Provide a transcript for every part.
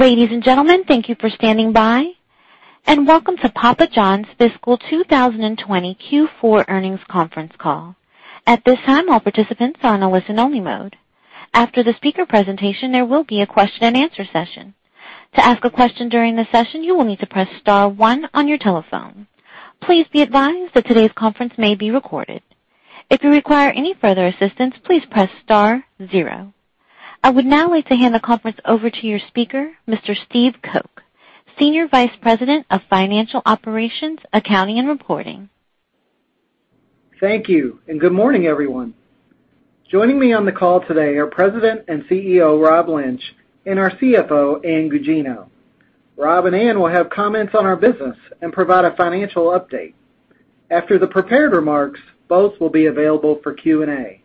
Ladies and gentlemen, thank you for standing by, and welcome to Papa John's Fiscal 2020 Q4 Earnings Conference Call. At this time, all participants are on a listen-only mode. After the speaker presentation, there will be a question-and-answer session. To ask a question during the session, you will need to press star one on your telephone. Please be advised that today's conference may be recorded. If you require any further assistance, please press star zero. I would now like to hand the conference over to your speaker, Mr. Steve Coke, Senior Vice President of Financial Operations, Accounting, and Reporting. Thank you, and good morning, everyone. Joining me on the call today are President and CEO, Rob Lynch, and our CFO, Ann Gugino. Rob and Ann will have comments on our business and provide a financial update. After the prepared remarks, both will be available for Q&A.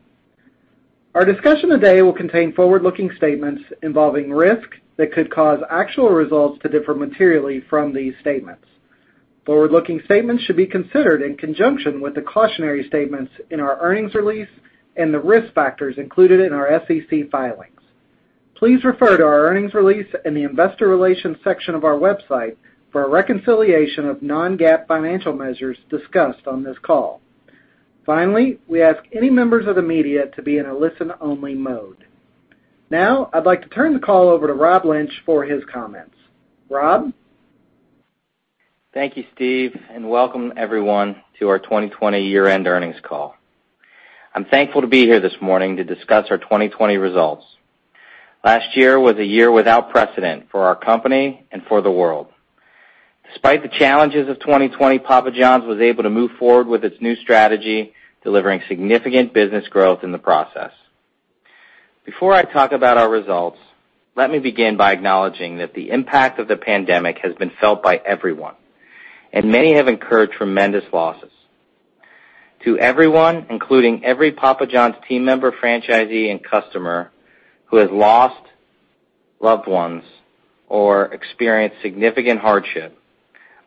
Our discussion today will contain forward-looking statements involving risk that could cause actual results to differ materially from these statements. Forward-looking statements should be considered in conjunction with the cautionary statements in our earnings release and the risk factors included in our SEC filings. Please refer to our earnings release in the Investor Relations section of our website for a reconciliation of non-GAAP financial measures discussed on this call. Finally, we ask any members of the media to be in a listen-only mode. Now, I'd like to turn the call over to Rob Lynch for his comments. Rob? Thank you, Steve, welcome everyone to our 2020 year-end earnings call. I'm thankful to be here this morning to discuss our 2020 results. Last year was a year without precedent for our company and for the world. Despite the challenges of 2020, Papa John's was able to move forward with its new strategy, delivering significant business growth in the process. Before I talk about our results, let me begin by acknowledging that the impact of the pandemic has been felt by everyone, and many have incurred tremendous losses. To everyone, including every Papa John's team member, franchisee, and customer who has lost loved ones or experienced significant hardship,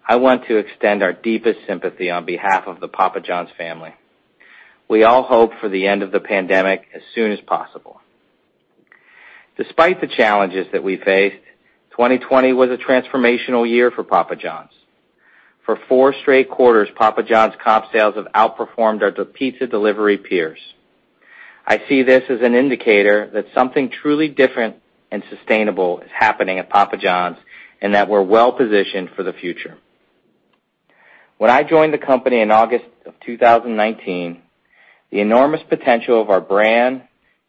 I want to extend our deepest sympathy on behalf of the Papa John's family. We all hope for the end of the pandemic as soon as possible. Despite the challenges that we faced, 2020 was a transformational year for Papa John's. For four straight quarters, Papa John's comp sales have outperformed our pizza delivery peers. I see this as an indicator that something truly different and sustainable is happening at Papa John's, and that we're well-positioned for the future. When I joined the company in August of 2019, the enormous potential of our brand,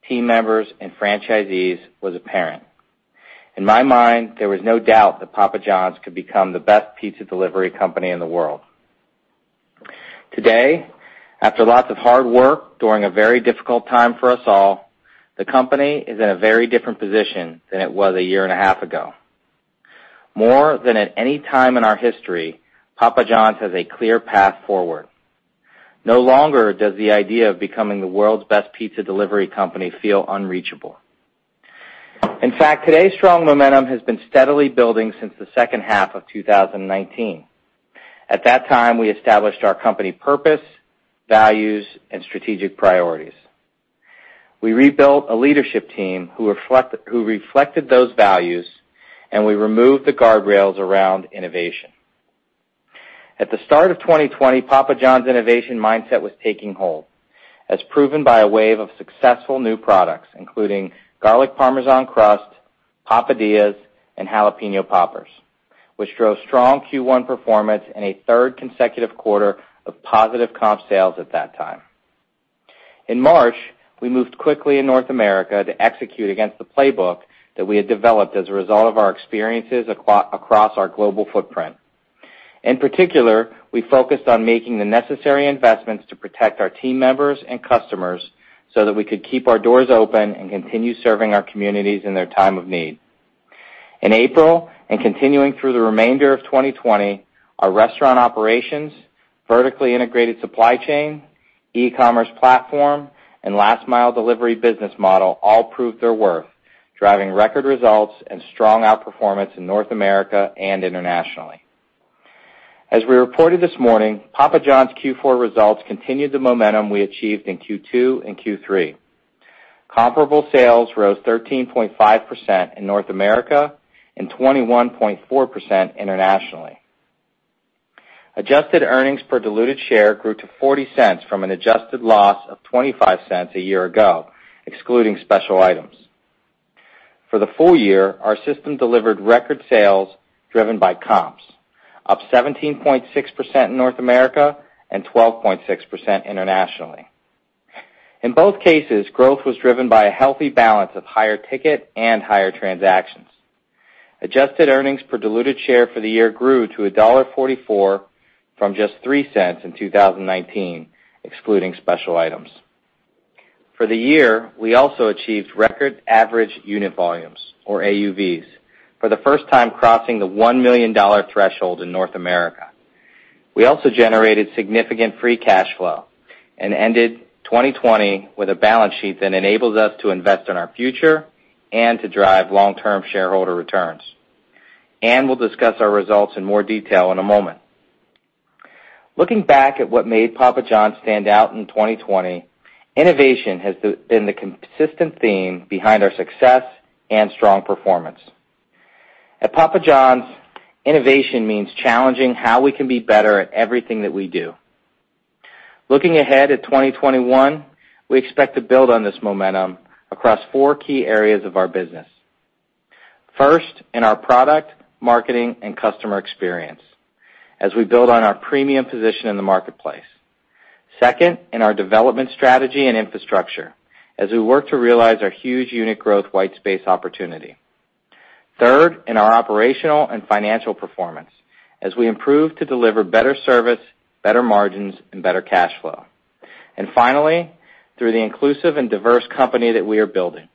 team members, and franchisees was apparent. In my mind, there was no doubt that Papa John's could become the best pizza delivery company in the world. Today, after lots of hard work during a very difficult time for us all, the company is in a very different position than it was a year and a half ago. More than at any time in our history, Papa John's has a clear path forward. No longer does the idea of becoming the world's best pizza delivery company feel unreachable. In fact, today's strong momentum has been steadily building since the second half of 2019. At that time, we established our company purpose, values, and strategic priorities. We rebuilt a leadership team who reflected those values, we removed the guardrails around innovation. At the start of 2020, Papa John's innovation mindset was taking hold, as proven by a wave of successful new products, including Garlic Parmesan Crust, Papadias, and Jalapeño Popper Rolls, which drove strong Q1 performance and a third consecutive quarter of positive comp sales at that time. In March, we moved quickly in North America to execute against the playbook that we had developed as a result of our experiences across our global footprint. In particular, we focused on making the necessary investments to protect our team members and customers so that we could keep our doors open and continue serving our communities in their time of need. In April, and continuing through the remainder of 2020, our restaurant operations, vertically integrated supply chain, e-commerce platform, and last-mile delivery business model all proved their worth, driving record results and strong outperformance in North America and internationally. As we reported this morning, Papa John's Q4 results continued the momentum we achieved in Q2 and Q3. Comparable sales rose 13.5% in North America and 21.4% internationally. Adjusted earnings per diluted share grew to $0.40 from an adjusted loss of $0.25 a year ago, excluding special items. For the full year, our system delivered record sales driven by comps, up 17.6% in North America and 12.6% internationally. In both cases, growth was driven by a healthy balance of higher ticket and higher transactions. Adjusted earnings per diluted share for the year grew to $1.44 from just $0.03 in 2019, excluding special items. For the year, we also achieved record average unit volumes, or AUVs, for the first time crossing the $1 million threshold in North America. We also generated significant free cash flow and ended 2020 with a balance sheet that enables us to invest in our future and to drive long-term shareholder returns. Ann will discuss our results in more detail in a moment. Looking back at what made Papa John's stand out in 2020, innovation has been the consistent theme behind our success and strong performance. At Papa John's, innovation means challenging how we can be better at everything that we do. Looking ahead at 2021, we expect to build on this momentum across four key areas of our business. First, in our product, marketing, and customer experience as we build on our premium position in the marketplace. In our development strategy and infrastructure, as we work to realize our huge unit growth white space opportunity. In our operational and financial performance, as we improve to deliver better service, better margins, and better cash flow. Finally, through the inclusive and diverse company that we are building.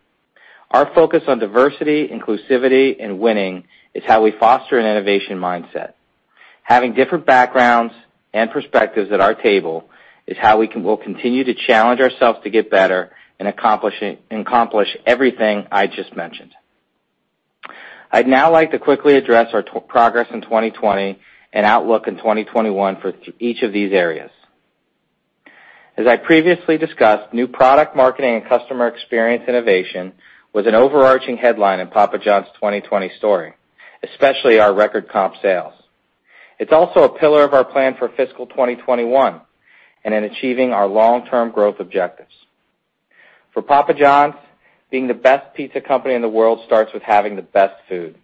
Our focus on diversity, inclusivity, and winning is how we foster an innovation mindset. Having different backgrounds and perspectives at our table is how we will continue to challenge ourselves to get better and accomplish everything I just mentioned. I’d now like to quickly address our progress in 2020 and outlook in 2021 for each of these areas. As I previously discussed, new product marketing and customer experience innovation was an overarching headline in Papa John's 2020 story, especially our record comp sales. It’s also a pillar of our plan for fiscal 2021, and in achieving our long-term growth objectives. For Papa John's, being the best pizza company in the world starts with having the best food.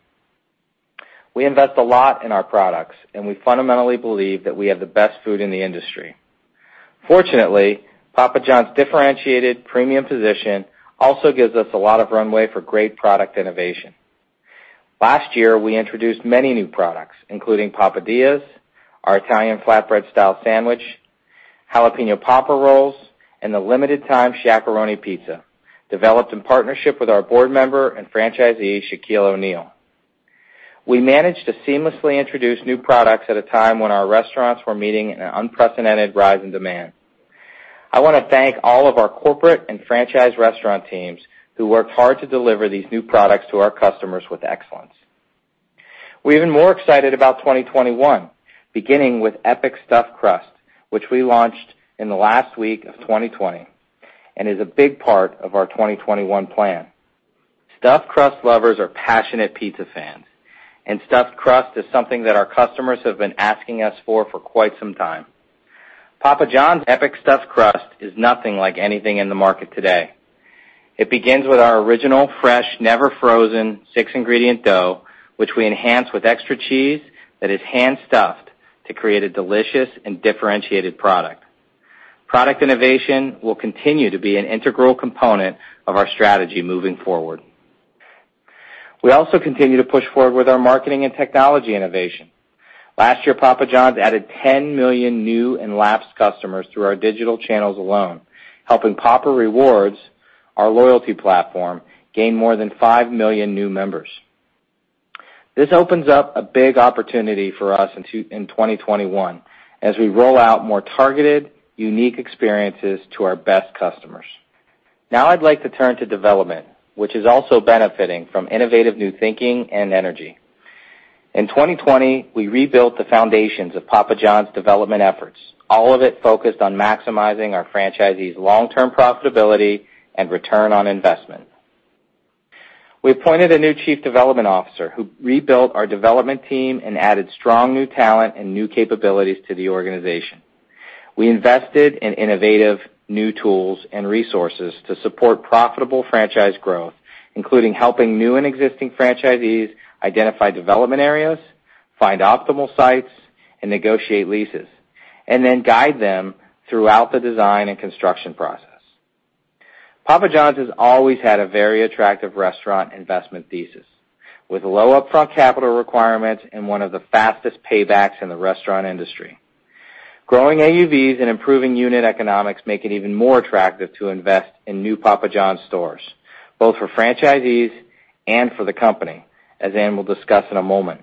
We invest a lot in our products, and we fundamentally believe that we have the best food in the industry. Fortunately, Papa John's differentiated premium position also gives us a lot of runway for great product innovation. Last year, we introduced many new products, including Papadias, our Italian flatbread style sandwich, Jalapeño Popper Rolls, and the limited time Shaq-a-Roni pizza, developed in partnership with our board member and franchisee, Shaquille O'Neal. We managed to seamlessly introduce new products at a time when our restaurants were meeting an unprecedented rise in demand. I want to thank all of our corporate and franchise restaurant teams who worked hard to deliver these new products to our customers with excellence. We’re even more excited about 2021, beginning with Epic Stuffed Crust, which we launched in the last week of 2020 and is a big part of our 2021 plan. Stuffed crust lovers are passionate pizza fans, and stuffed crust is something that our customers have been asking us for quite some time. Papa John’s Epic Stuffed Crust is nothing like anything in the market today. It begins with our original fresh, never frozen six ingredient dough, which we enhance with extra cheese that is hand stuffed to create a delicious and differentiated product. Product innovation will continue to be an integral component of our strategy moving forward. We also continue to push forward with our marketing and technology innovation. Last year, Papa John’s added 10 million new and lapsed customers through our digital channels alone, helping Papa Rewards, our loyalty platform, gain more than 5 million new members. This opens up a big opportunity for us in 2021 as we roll out more targeted, unique experiences to our best customers. Now I’d like to turn to development, which is also benefiting from innovative new thinking and energy. In 2020, we rebuilt the foundations of Papa John’s development efforts, all of it focused on maximizing our franchisees’ long-term profitability and return on investment. We appointed a new Chief Development Officer who rebuilt our development team and added strong new talent and new capabilities to the organization. We invested in innovative new tools and resources to support profitable franchise growth, including helping new and existing franchisees identify development areas, find optimal sites, and negotiate leases, and then guide them throughout the design and construction process. Papa John's has always had a very attractive restaurant investment thesis, with low upfront capital requirements and one of the fastest paybacks in the restaurant industry. Growing AUVs and improving unit economics make it even more attractive to invest in new Papa John's stores, both for franchisees and for the company, as Ann will discuss in a moment.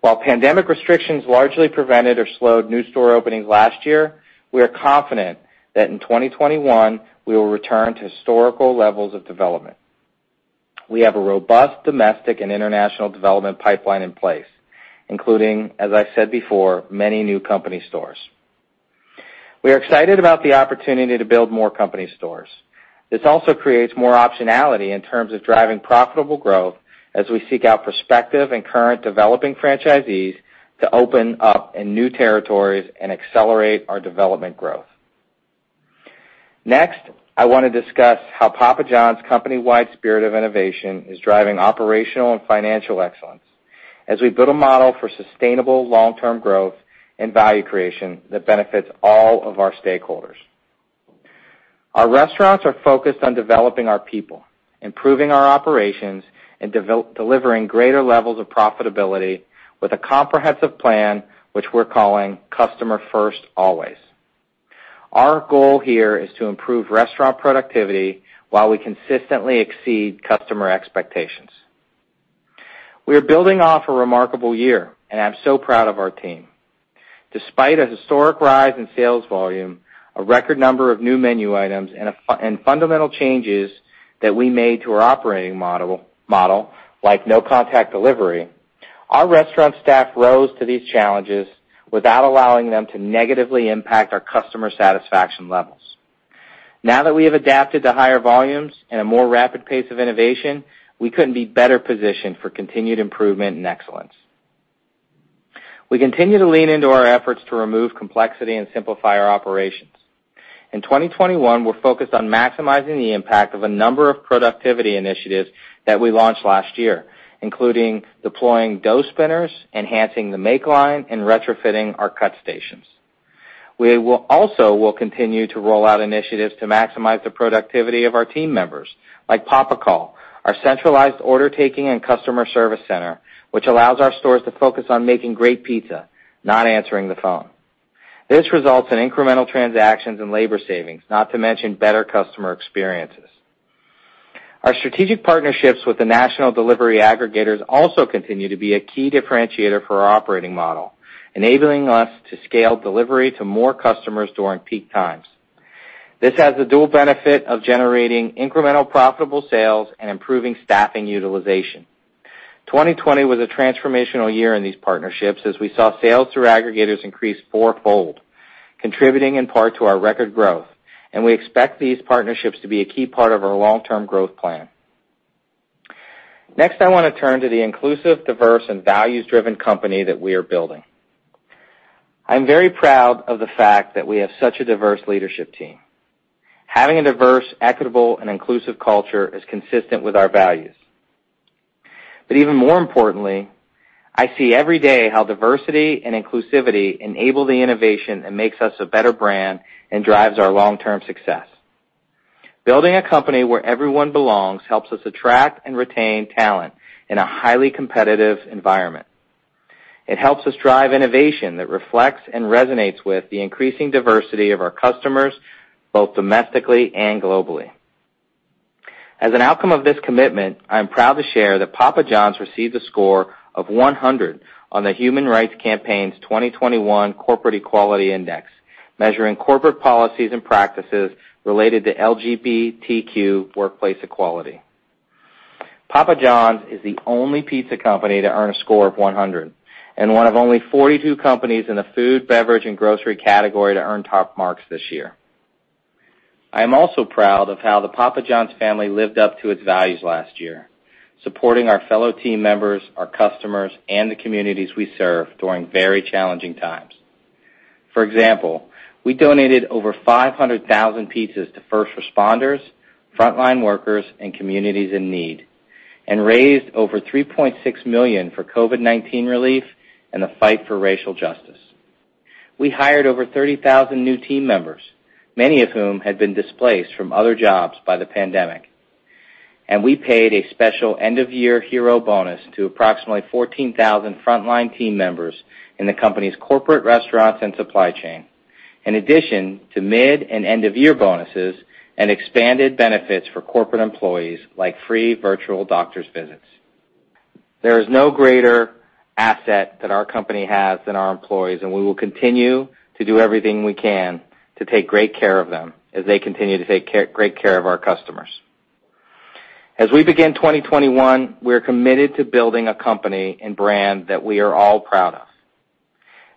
While pandemic restrictions largely prevented or slowed new store openings last year, we are confident that in 2021, we will return to historical levels of development. We have a robust domestic and international development pipeline in place, including, as I said before, many new company stores. We are excited about the opportunity to build more company stores. This also creates more optionality in terms of driving profitable growth as we seek out prospective and current developing franchisees to open up in new territories and accelerate our development growth. Next, I want to discuss how Papa John's company-wide spirit of innovation is driving operational and financial excellence as we build a model for sustainable long-term growth and value creation that benefits all of our stakeholders. Our restaurants are focused on developing our people, improving our operations, and delivering greater levels of profitability with a comprehensive plan, which we’re calling Customer First, Always. Our goal here is to improve restaurant productivity while we consistently exceed customer expectations. We are building off a remarkable year, and I’m so proud of our team. Despite a historic rise in sales volume, a record number of new menu items, and fundamental changes that we made to our operating model, like no-contact delivery, our restaurant staff rose to these challenges without allowing them to negatively impact our customer satisfaction levels. Now that we have adapted to higher volumes and a more rapid pace of innovation, we couldn't be better positioned for continued improvement and excellence. We continue to lean into our efforts to remove complexity and simplify our operations. In 2021, we're focused on maximizing the impact of a number of productivity initiatives that we launched last year, including deploying dough spinners, enhancing the makeline, and retrofitting our cut stations. We will also continue to roll out initiatives to maximize the productivity of our team members, like PapaCall, our centralized order-taking and customer service center, which allows our stores to focus on making great pizza, not answering the phone. This results in incremental transactions and labor savings, not to mention better customer experiences. Our strategic partnerships with the national delivery aggregators also continue to be a key differentiator for our operating model, enabling us to scale delivery to more customers during peak times. This has the dual benefit of generating incremental profitable sales and improving staffing utilization. 2020 was a transformational year in these partnerships, as we saw sales through aggregators increase fourfold, contributing in part to our record growth, and we expect these partnerships to be a key part of our long-term growth plan. Next, I want to turn to the inclusive, diverse, and values-driven company that we are building. I'm very proud of the fact that we have such a diverse leadership team. Having a diverse, equitable, and inclusive culture is consistent with our values. Even more importantly, I see every day how diversity and inclusivity enable the innovation and makes us a better brand and drives our long-term success. Building a company where everyone belongs helps us attract and retain talent in a highly competitive environment. It helps us drive innovation that reflects and resonates with the increasing diversity of our customers, both domestically and globally. As an outcome of this commitment, I am proud to share that Papa John's received a score of 100 on the Human Rights Campaign's 2021 Corporate Equality Index, measuring corporate policies and practices related to LGBTQ workplace equality. Papa John's is the only pizza company to earn a score of 100, and one of only 42 companies in the food, beverage, and grocery category to earn top marks this year. I am also proud of how the Papa John's family lived up to its values last year, supporting our fellow team members, our customers, and the communities we serve during very challenging times. For example, we donated over 500,000 pizzas to first responders, frontline workers, and communities in need and raised over $3.6 million for COVID-19 relief and the fight for racial justice. We hired over 30,000 new team members, many of whom had been displaced from other jobs by the pandemic, and we paid a special end-of-year hero bonus to approximately 14,000 frontline team members in the company's corporate restaurants and supply chain, in addition to mid and end-of-year bonuses and expanded benefits for corporate employees, like free virtual doctor's visits. There is no greater asset that our company has than our employees, and we will continue to do everything we can to take great care of them as they continue to take great care of our customers. As we begin 2021, we are committed to building a company and brand that we are all proud of.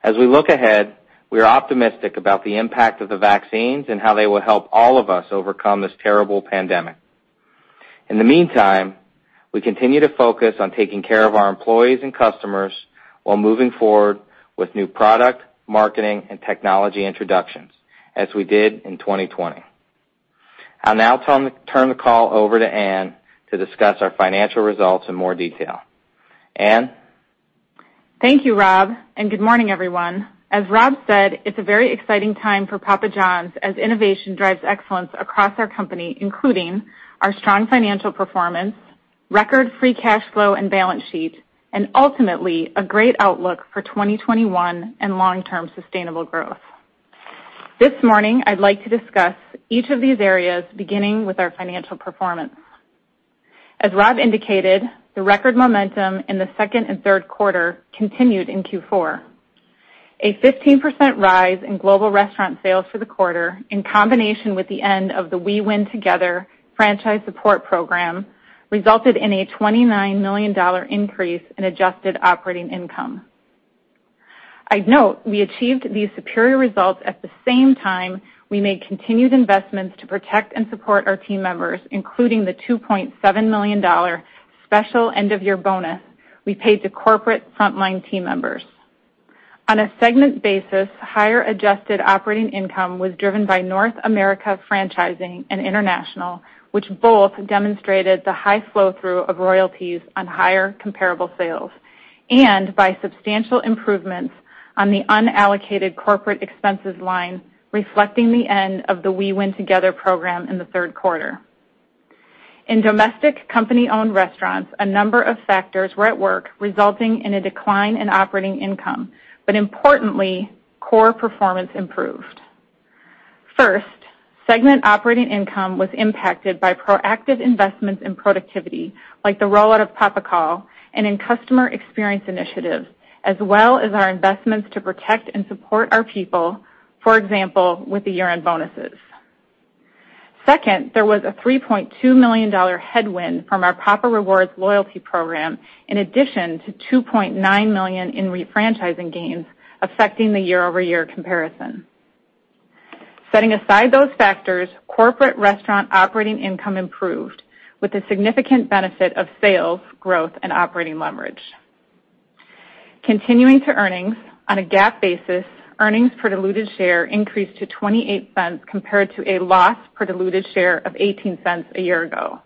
As we look ahead, we are optimistic about the impact of the vaccines and how they will help all of us overcome this terrible pandemic. In the meantime, we continue to focus on taking care of our employees and customers while moving forward with new product, marketing, and technology introductions as we did in 2020. I'll now turn the call over to Ann to discuss our financial results in more detail. Ann? Thank you, Rob. Good morning, everyone. As Rob said, it's a very exciting time for Papa John's as innovation drives excellence across our company, including our strong financial performance, record free cash flow and balance sheet, and ultimately, a great outlook for 2021 and long-term sustainable growth. This morning, I'd like to discuss each of these areas, beginning with our financial performance. As Rob indicated, the record momentum in the second and third quarter continued in Q4. A 15% rise in global restaurant sales for the quarter, in combination with the end of the We Win Together franchise support program, resulted in a $29 million increase in adjusted operating income. I'd note we achieved these superior results at the same time we made continued investments to protect and support our team members, including the $2.7 million special end-of-year bonus we paid to corporate frontline team members. On a segment basis, higher adjusted operating income was driven by North America franchising and international, which both demonstrated the high flow-through of royalties on higher comparable sales and by substantial improvements on the unallocated corporate expenses line, reflecting the end of the We Win Together program in the third quarter. In domestic company-owned restaurants, a number of factors were at work, resulting in a decline in operating income. Importantly, core performance improved. First, segment operating income was impacted by proactive investments in productivity, like the rollout of PapaCall and in customer experience initiatives, as well as our investments to protect and support our people. For example, with the year-end bonuses. Second, there was a $3.2 million headwind from our Papa Rewards loyalty program, in addition to $2.9 million in refranchising gains affecting the year-over-year comparison. Setting aside those factors, corporate restaurant operating income improved with the significant benefit of sales, growth, and operating leverage. Continuing to earnings, on a GAAP basis, earnings per diluted share increased to $0.28 compared to a loss per diluted share of $0.18 a year ago.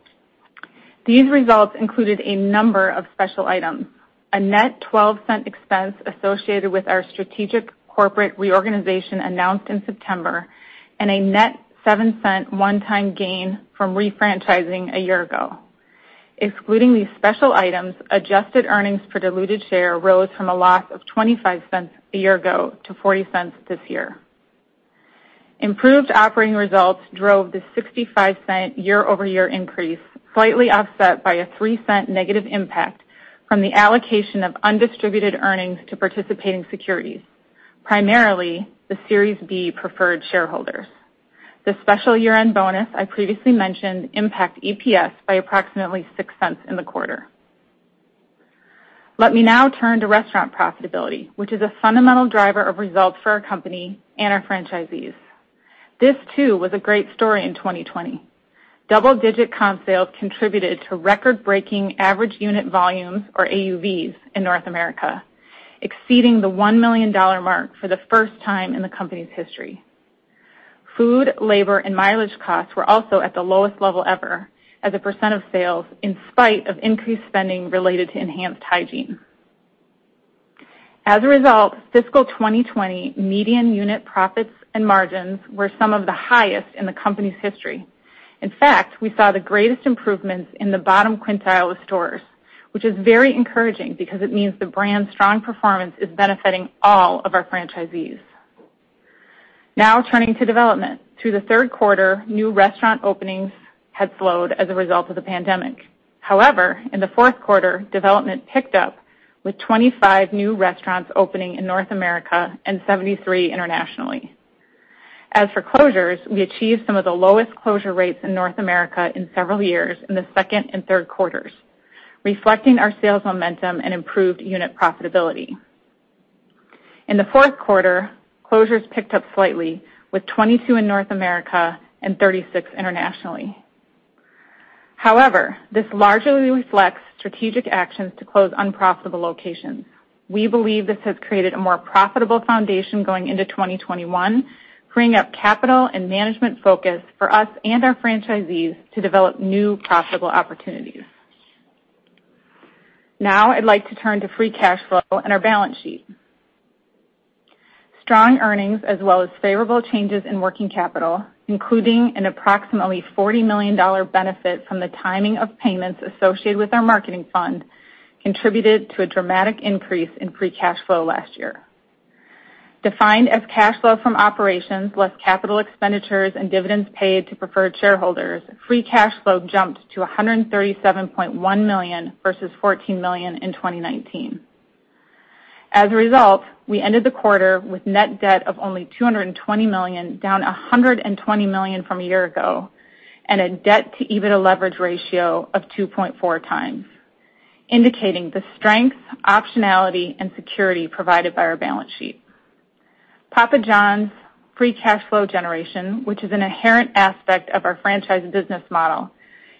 These results included a number of special items, a net $0.12 expense associated with our strategic corporate reorganization announced in September, and a net $0.07 one-time gain from refranchising a year ago. Excluding these special items, adjusted earnings per diluted share rose from a loss of $0.25 a year ago to $0.40 this year. Improved operating results drove the $0.65 year-over-year increase, slightly offset by a $0.03 negative impact from the allocation of undistributed earnings to participating securities, primarily the Series B preferred shareholders. The special year-end bonus I previously mentioned impact EPS by approximately $0.06 in the quarter. Let me now turn to restaurant profitability, which is a fundamental driver of results for our company and our franchisees. This, too, was a great story in 2020. Double-digit comp sales contributed to record-breaking average unit volumes, or AUVs, in North America, exceeding the $1 million mark for the first time in the company's history. Food, labor, and mileage costs were also at the lowest level ever as a percent of sales in spite of increased spending related to enhanced hygiene. As a result, fiscal 2020 median unit profits and margins were some of the highest in the company's history. In fact, we saw the greatest improvements in the bottom quintile of stores, which is very encouraging because it means the brand's strong performance is benefiting all of our franchisees. Now turning to development. Through the third quarter, new restaurant openings had slowed as a result of the pandemic. However, in the fourth quarter, development picked up with 25 new restaurants opening in North America and 73 internationally. As for closures, we achieved some of the lowest closure rates in North America in several years in the second and third quarters, reflecting our sales momentum and improved unit profitability. In the fourth quarter, closures picked up slightly, with 22 in North America and 36 internationally. However, this largely reflects strategic actions to close unprofitable locations. We believe this has created a more profitable foundation going into 2021, freeing up capital and management focus for us and our franchisees to develop new profitable opportunities. Now I'd like to turn to free cash flow and our balance sheet. Strong earnings, as well as favorable changes in working capital, including an approximately $40 million benefit from the timing of payments associated with our marketing fund, contributed to a dramatic increase in free cash flow last year. Defined as cash flow from operations, less capital expenditures and dividends paid to preferred shareholders, free cash flow jumped to $137.1 million versus $14 million in 2019. As a result, we ended the quarter with net debt of only $220 million, down $120 million from a year ago, and a debt to EBITDA leverage ratio of 2.4x, indicating the strength, optionality, and security provided by our balance sheet. Papa John's free cash flow generation, which is an inherent aspect of our franchise business model,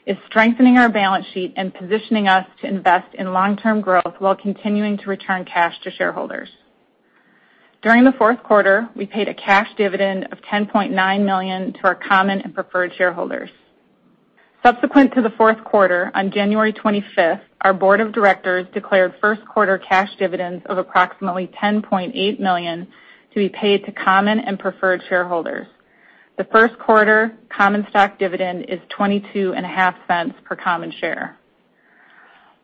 is strengthening our balance sheet and positioning us to invest in long-term growth while continuing to return cash to shareholders. During the fourth quarter, we paid a cash dividend of $10.9 million to our common and preferred shareholders. Subsequent to the fourth quarter, on January 25th, our board of directors declared first quarter cash dividends of approximately $10.8 million to be paid to common and preferred shareholders. The first quarter common stock dividend is $0.225 per common share.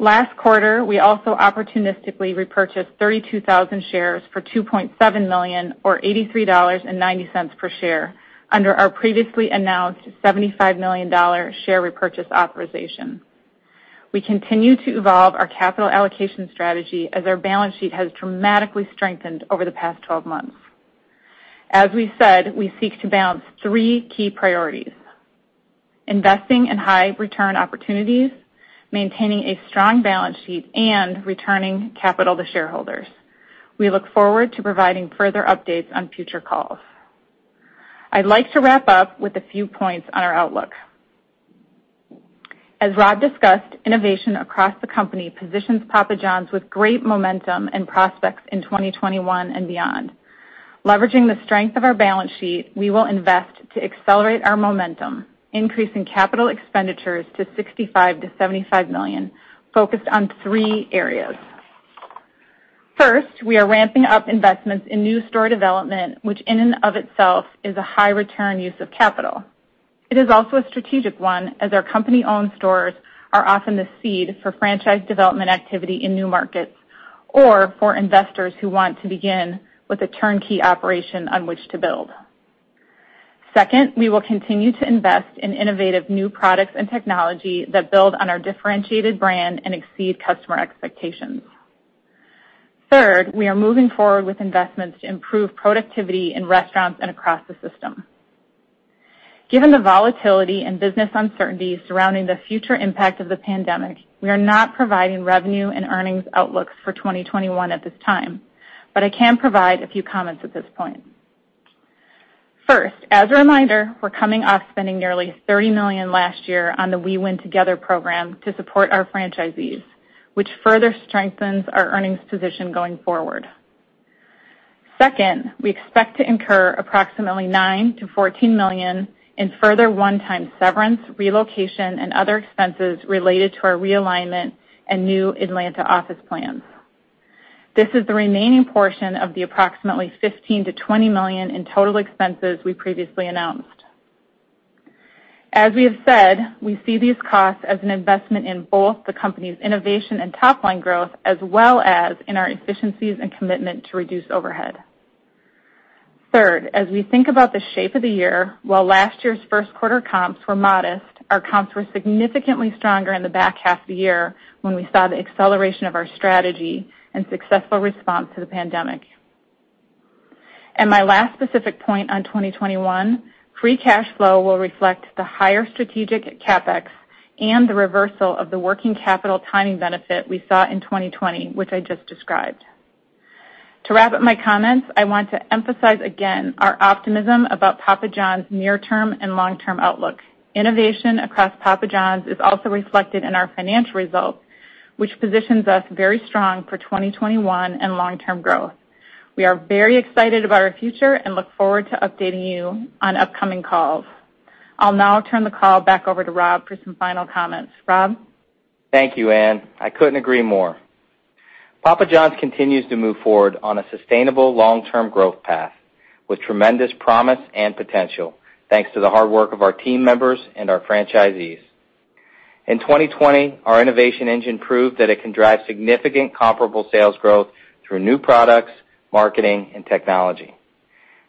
Last quarter, we also opportunistically repurchased 32,000 shares for $2.7 million or $83.90 per share under our previously announced $75 million share repurchase authorization. We continue to evolve our capital allocation strategy as our balance sheet has dramatically strengthened over the past 12 months. As we said, we seek to balance three key priorities: investing in high return opportunities, maintaining a strong balance sheet, and returning capital to shareholders. We look forward to providing further updates on future calls. I'd like to wrap up with a few points on our outlook. As Rob discussed, innovation across the company positions Papa John's with great momentum and prospects in 2021 and beyond. Leveraging the strength of our balance sheet, we will invest to accelerate our momentum, increasing capital expenditures to $65 million to $75 million focused on three areas. First, we are ramping up investments in new store development, which in and of itself is a high return use of capital. It is also a strategic one, as our company-owned stores are often the seed for franchise development activity in new markets, or for investors who want to begin with a turnkey operation on which to build. Second, we will continue to invest in innovative new products and technology that build on our differentiated brand and exceed customer expectations. Third, we are moving forward with investments to improve productivity in restaurants and across the system. Given the volatility and business uncertainty surrounding the future impact of the pandemic, we are not providing revenue and earnings outlooks for 2021 at this time. I can provide a few comments at this point. First, as a reminder, we're coming off spending nearly $30 million last year on the We Win Together program to support our franchisees, which further strengthens our earnings position going forward. Second, we expect to incur approximately $9 million-$14 million in further one-time severance, relocation, and other expenses related to our realignment and new Atlanta office plans. This is the remaining portion of the approximately $15 million-$20 million in total expenses we previously announced. As we have said, we see these costs as an investment in both the company's innovation and top-line growth, as well as in our efficiencies and commitment to reduce overhead. Third, as we think about the shape of the year, while last year's first quarter comps were modest, our comps were significantly stronger in the back half of the year, when we saw the acceleration of our strategy and successful response to the pandemic. My last specific point on 2021, free cash flow will reflect the higher strategic CapEx and the reversal of the working capital timing benefit we saw in 2020, which I just described. To wrap up my comments, I want to emphasize again our optimism about Papa John's near-term and long-term outlook. Innovation across Papa John's is also reflected in our financial results, which positions us very strong for 2021 and long-term growth. We are very excited about our future and look forward to updating you on upcoming calls. I'll now turn the call back over to Rob for some final comments. Rob? Thank you, Ann. I couldn't agree more. Papa John's continues to move forward on a sustainable long-term growth path with tremendous promise and potential, thanks to the hard work of our team members and our franchisees. In 2020, our innovation engine proved that it can drive significant comparable sales growth through new products, marketing, and technology.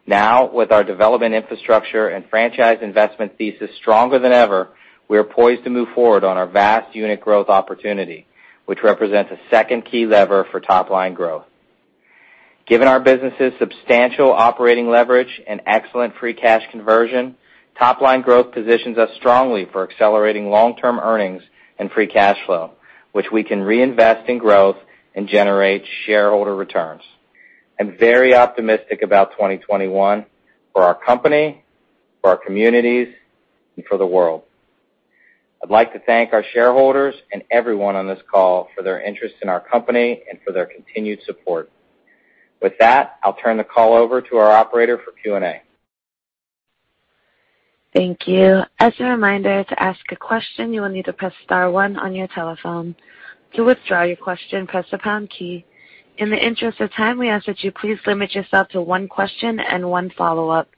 Now, with our development infrastructure and franchise investment thesis stronger than ever, we are poised to move forward on our vast unit growth opportunity, which represents a second key lever for top-line growth. Given our business' substantial operating leverage and excellent free cash conversion, top-line growth positions us strongly for accelerating long-term earnings and free cash flow, which we can reinvest in growth and generate shareholder returns. I'm very optimistic about 2021 for our company, for our communities, and for the world. I'd like to thank our shareholders and everyone on this call for their interest in our company and for their continued support. With that, I'll turn the call over to our operator for Q&A. Thank you. As a reminder, to ask a question, you will need to press star one on your telephone. To withdraw your question, press the pound key. In the interest of time, we ask that you please limit yourself to one question and one follow-up.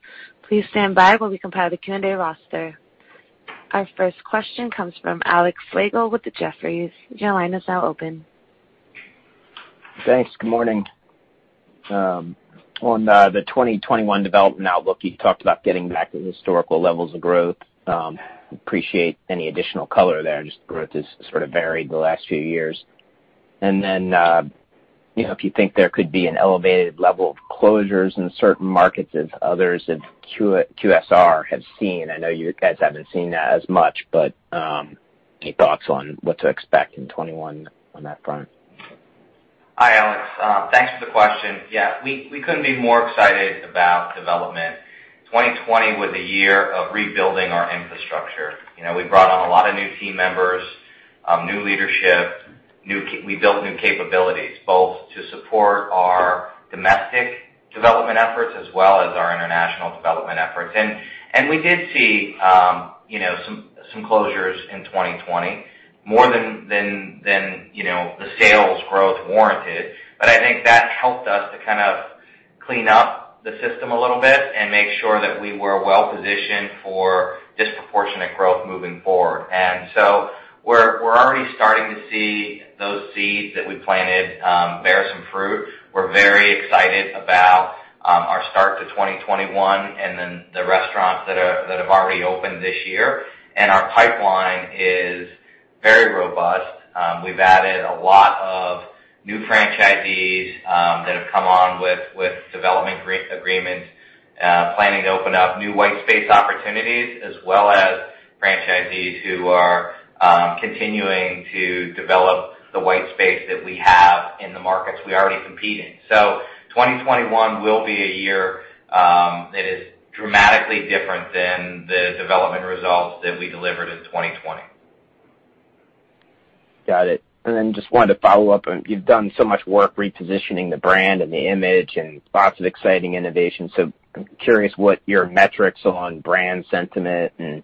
Please stand by while we compile the Q&A roster. Our first question comes from Alex Slagle with the Jefferies. Your line is now open. Thanks. Good morning. On the 2021 development outlook, you talked about getting back to historical levels of growth. Appreciate any additional color there, just growth has sort of varied the last few years. Then, if you think there could be an elevated level of closures in certain markets as others in QSR have seen. I know you guys haven't seen that as much, any thoughts on what to expect in 2021 on that front? Hi, Alex. Thanks for the question. Yeah, we couldn't be more excited about development. 2020 was a year of rebuilding our infrastructure. We brought on a lot of new team members, new leadership. We built new capabilities, both to support our domestic development efforts as well as our international development efforts. We did see some closures in 2020, more than the sales growth warranted. I think that helped us to kind of clean up the system a little bit and make sure that we were well-positioned for disproportionate growth moving forward. We're already starting to see those seeds that we planted bear some fruit. We're very excited about our start to 2021, and then the restaurants that have already opened this year. Our pipeline is very robust. We've added a lot of new franchisees that have come on with development agreements, planning to open up new white space opportunities, as well as franchisees who are continuing to develop the white space that we have in the markets we already compete in. 2021 will be a year that is dramatically different than the development results that we delivered in 2020. Got it. Just wanted to follow up. You've done so much work repositioning the brand and the image and lots of exciting innovations, so I'm curious what your metrics on brand sentiment and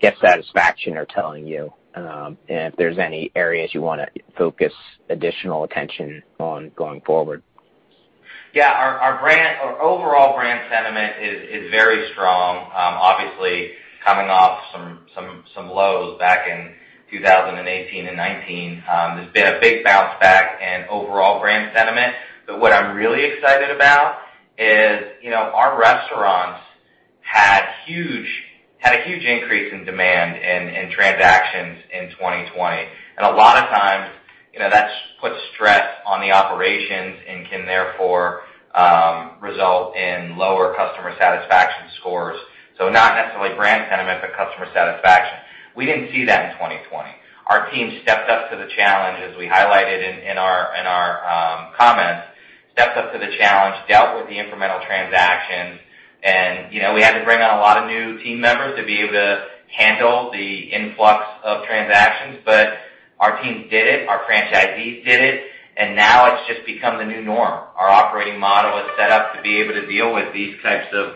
guest satisfaction are telling you, and if there's any areas you want to focus additional attention on going forward. Yeah, our overall brand sentiment is very strong. Obviously, coming off some lows back in 2018 and 2019. There's been a big bounce back in overall brand sentiment. What I'm really excited about is our restaurants had a huge increase in demand in transactions in 2020, and a lot of times, that puts stress on the operations and can therefore result in lower customer satisfaction scores. Not necessarily brand sentiment, but customer satisfaction. We didn't see that in 2020. Our team stepped up to the challenge, as we highlighted in our comments. Stepped up to the challenge, dealt with the incremental transactions. We had to bring on a lot of new team members to be able to handle the influx of transactions. Our teams did it, our franchisees did it, and now it's just become the new norm. Our operating model is set up to be able to deal with these types of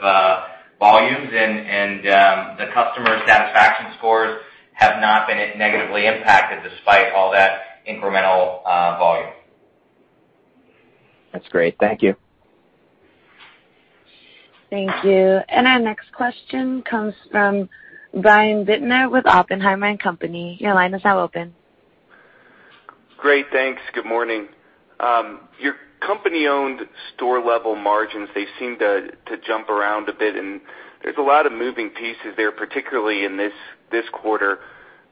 volumes and the customer satisfaction scores have not been negatively impacted despite all that incremental volume. That's great. Thank you. Thank you. Our next question comes from Brian Bittner with Oppenheimer & Company. Your line is now open. Great, thanks. Good morning. Your company-owned store level margins, they seem to jump around a bit, and there's a lot of moving pieces there, particularly in this quarter.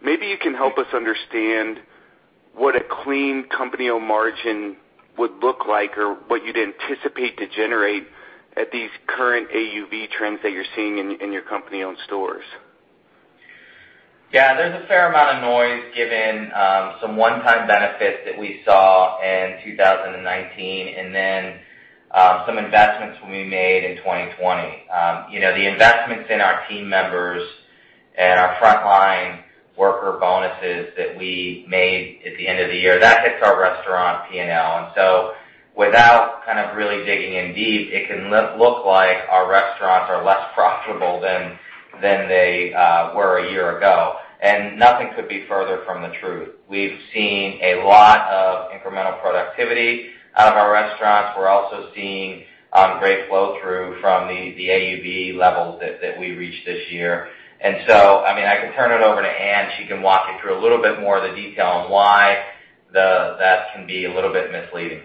Maybe you can help us understand what a clean company-owned margin would look like or what you'd anticipate to generate at these current AUV trends that you're seeing in your company-owned stores. Yeah, there's a fair amount of noise given some one-time benefits that we saw in 2019 and then some investments we made in 2020. The investments in our team members and our frontline worker bonuses that we made at the end of the year, that hits our restaurant P&L, and so without really digging in deep, it can look like our restaurants are less profitable than they were a year ago, and nothing could be further from the truth. We've seen a lot of incremental productivity out of our restaurants. We're also seeing great flow-through from the AUV levels that we reached this year. I could turn it over to Ann. She can walk you through a little bit more of the detail on why that can be a little bit misleading.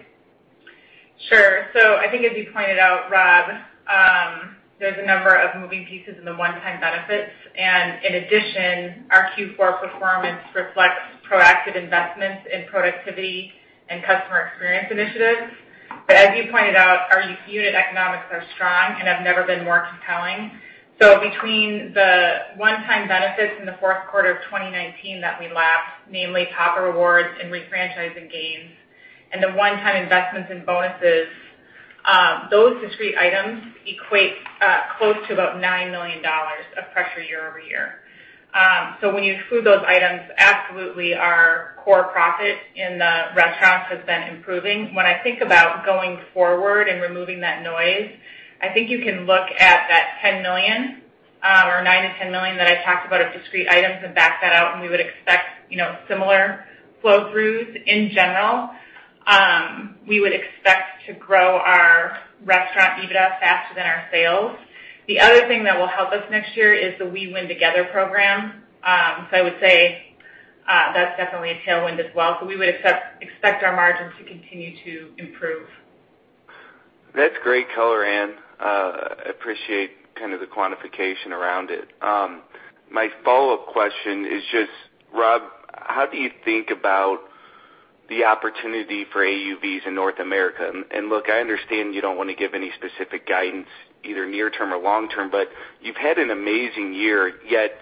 Sure. I think as you pointed out, Rob, there's a number of moving pieces in the one-time benefits, and in addition, our Q4 performance reflects proactive investments in productivity and customer experience initiatives. As you pointed out, our unit economics are strong and have never been more compelling. Between the one-time benefits in the fourth quarter of 2019 that we lapped, namely Papa Rewards and refranchising gains, and the one-time investments in bonuses, those discrete items equate close to about $9 million of pressure year-over-year. When you exclude those items, absolutely our core profit in the restaurants has been improving. When I think about going forward and removing that noise, I think you can look at that $10 million, or $9 million-$10 million that I talked about of discrete items and back that out, and we would expect similar flow throughs in general. We would expect to grow our restaurant EBITDA faster than our sales. The other thing that will help us next year is the We Win Together program. I would say that's definitely a tailwind as well. We would expect our margins to continue to improve. That's great color, Ann. Appreciate the quantification around it. My follow-up question is just, Rob, how do you think about the opportunity for AUVs in North America? Look, I understand you don't want to give any specific guidance, either near term or long term, but you've had an amazing year, yet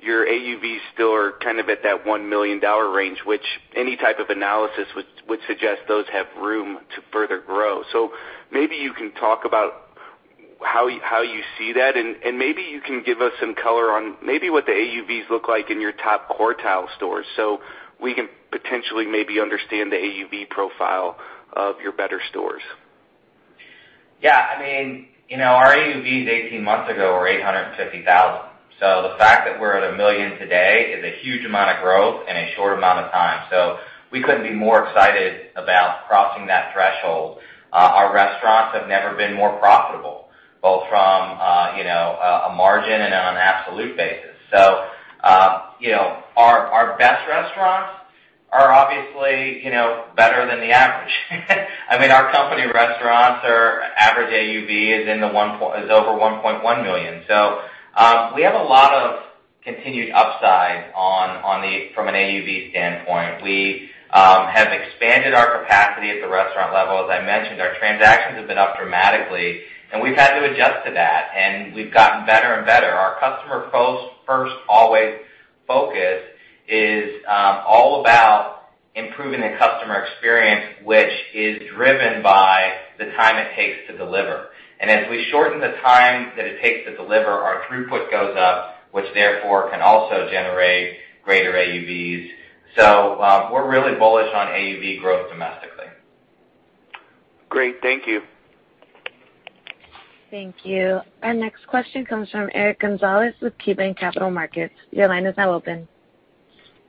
your AUVs still are at that $1 million range, which any type of analysis would suggest those have room to further grow. Maybe you can talk about how you see that, and maybe you can give us some color on maybe what the AUVs look like in your top quartile stores, so we can potentially maybe understand the AUV profile of your better stores. Our AUVs 18 months ago were $850,000. The fact that we're at $1 million today is a huge amount of growth in a short amount of time. We couldn't be more excited about crossing that threshold. Our restaurants have never been more profitable, both from a margin and on an absolute basis. Our best restaurants are obviously better than the average. Our company restaurants, our average AUV is over $1.1 million, so we have a lot of continued upside from an AUV standpoint. We have expanded our capacity at the restaurant level. As I mentioned, our transactions have been up dramatically, and we've had to adjust to that, and we've gotten better and better. Our Customer First, Always focus is all about improving the customer experience, which is driven by the time it takes to deliver. As we shorten the time that it takes to deliver, our throughput goes up, which therefore can also generate greater AUVs. We're really bullish on AUV growth domestically. Great. Thank you. Thank you. Our next question comes from Eric Gonzalez with KeyBanc Capital Markets. Your line is now open.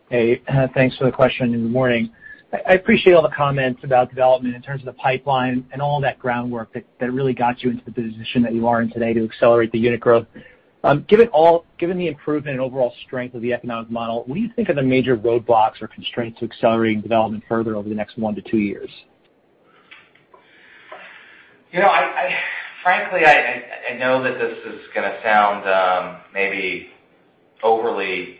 Hey, thanks for the question and good morning. I appreciate all the comments about development in terms of the pipeline and all that groundwork that really got you into the position that you are in today to accelerate the unit growth. Given the improvement and overall strength of the economic model, what do you think are the major roadblocks or constraints to accelerating development further over the next one to two years? Frankly, I know that this is going to sound maybe overly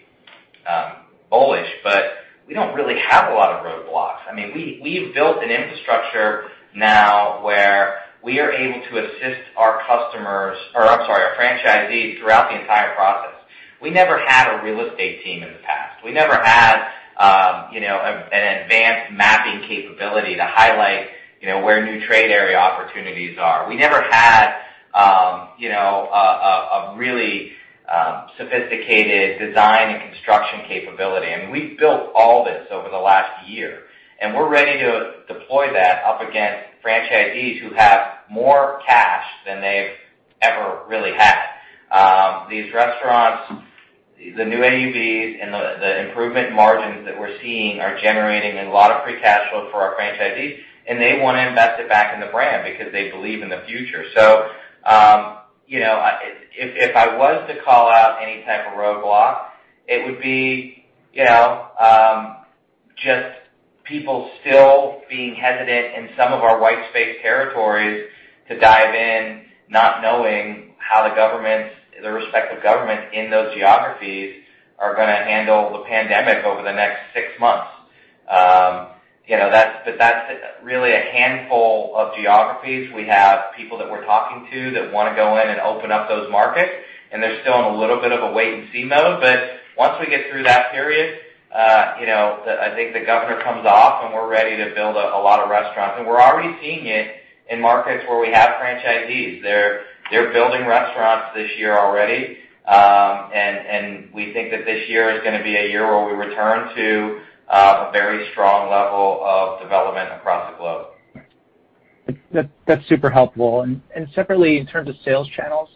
bullish, but we don't really have a lot of roadblocks. We've built an infrastructure now where we are able to assist our franchisees throughout the entire process. We never had a real estate team in the past. We never had an advanced mapping capability to highlight where new trade area opportunities are. We never had a really sophisticated design and construction capability, and we've built all this over the last year, and we're ready to deploy that up against franchisees who have more cash than they've ever really had. These restaurants, the new AUVs, and the improvement margins that we're seeing are generating a lot of free cash flow for our franchisees, and they want to invest it back in the brand because they believe in the future. If I was to call out any type of roadblock, it would be just people still being hesitant in some of our white space territories to dive in, not knowing how the respective government in those geographies are going to handle the pandemic over the next six months. That's really a handful of geographies. We have people that we're talking to that want to go in and open up those markets, and they're still in a little bit of a wait-and-see mode. Once we get through that period, I think the governor comes off, and we're ready to build a lot of restaurants. We're already seeing it in markets where we have franchisees. They're building restaurants this year already. We think that this year is going to be a year where we return to a very strong level of development across the globe. That's super helpful. Separately, in terms of sales channels,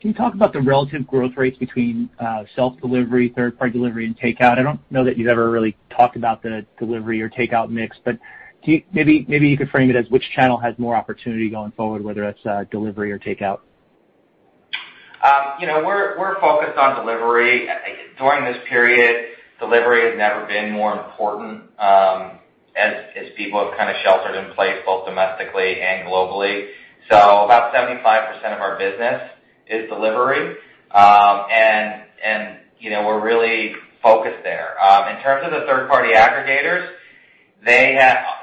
can you talk about the relative growth rates between self-delivery, third-party delivery, and takeout? I don't know that you've ever really talked about the delivery or takeout mix, but maybe you could frame it as which channel has more opportunity going forward, whether that's delivery or takeout. We're focused on delivery. During this period, delivery has never been more important as people have sheltered in place, both domestically and globally. About 75% of our business is delivery, and we're really focused there. In terms of the third-party aggregators,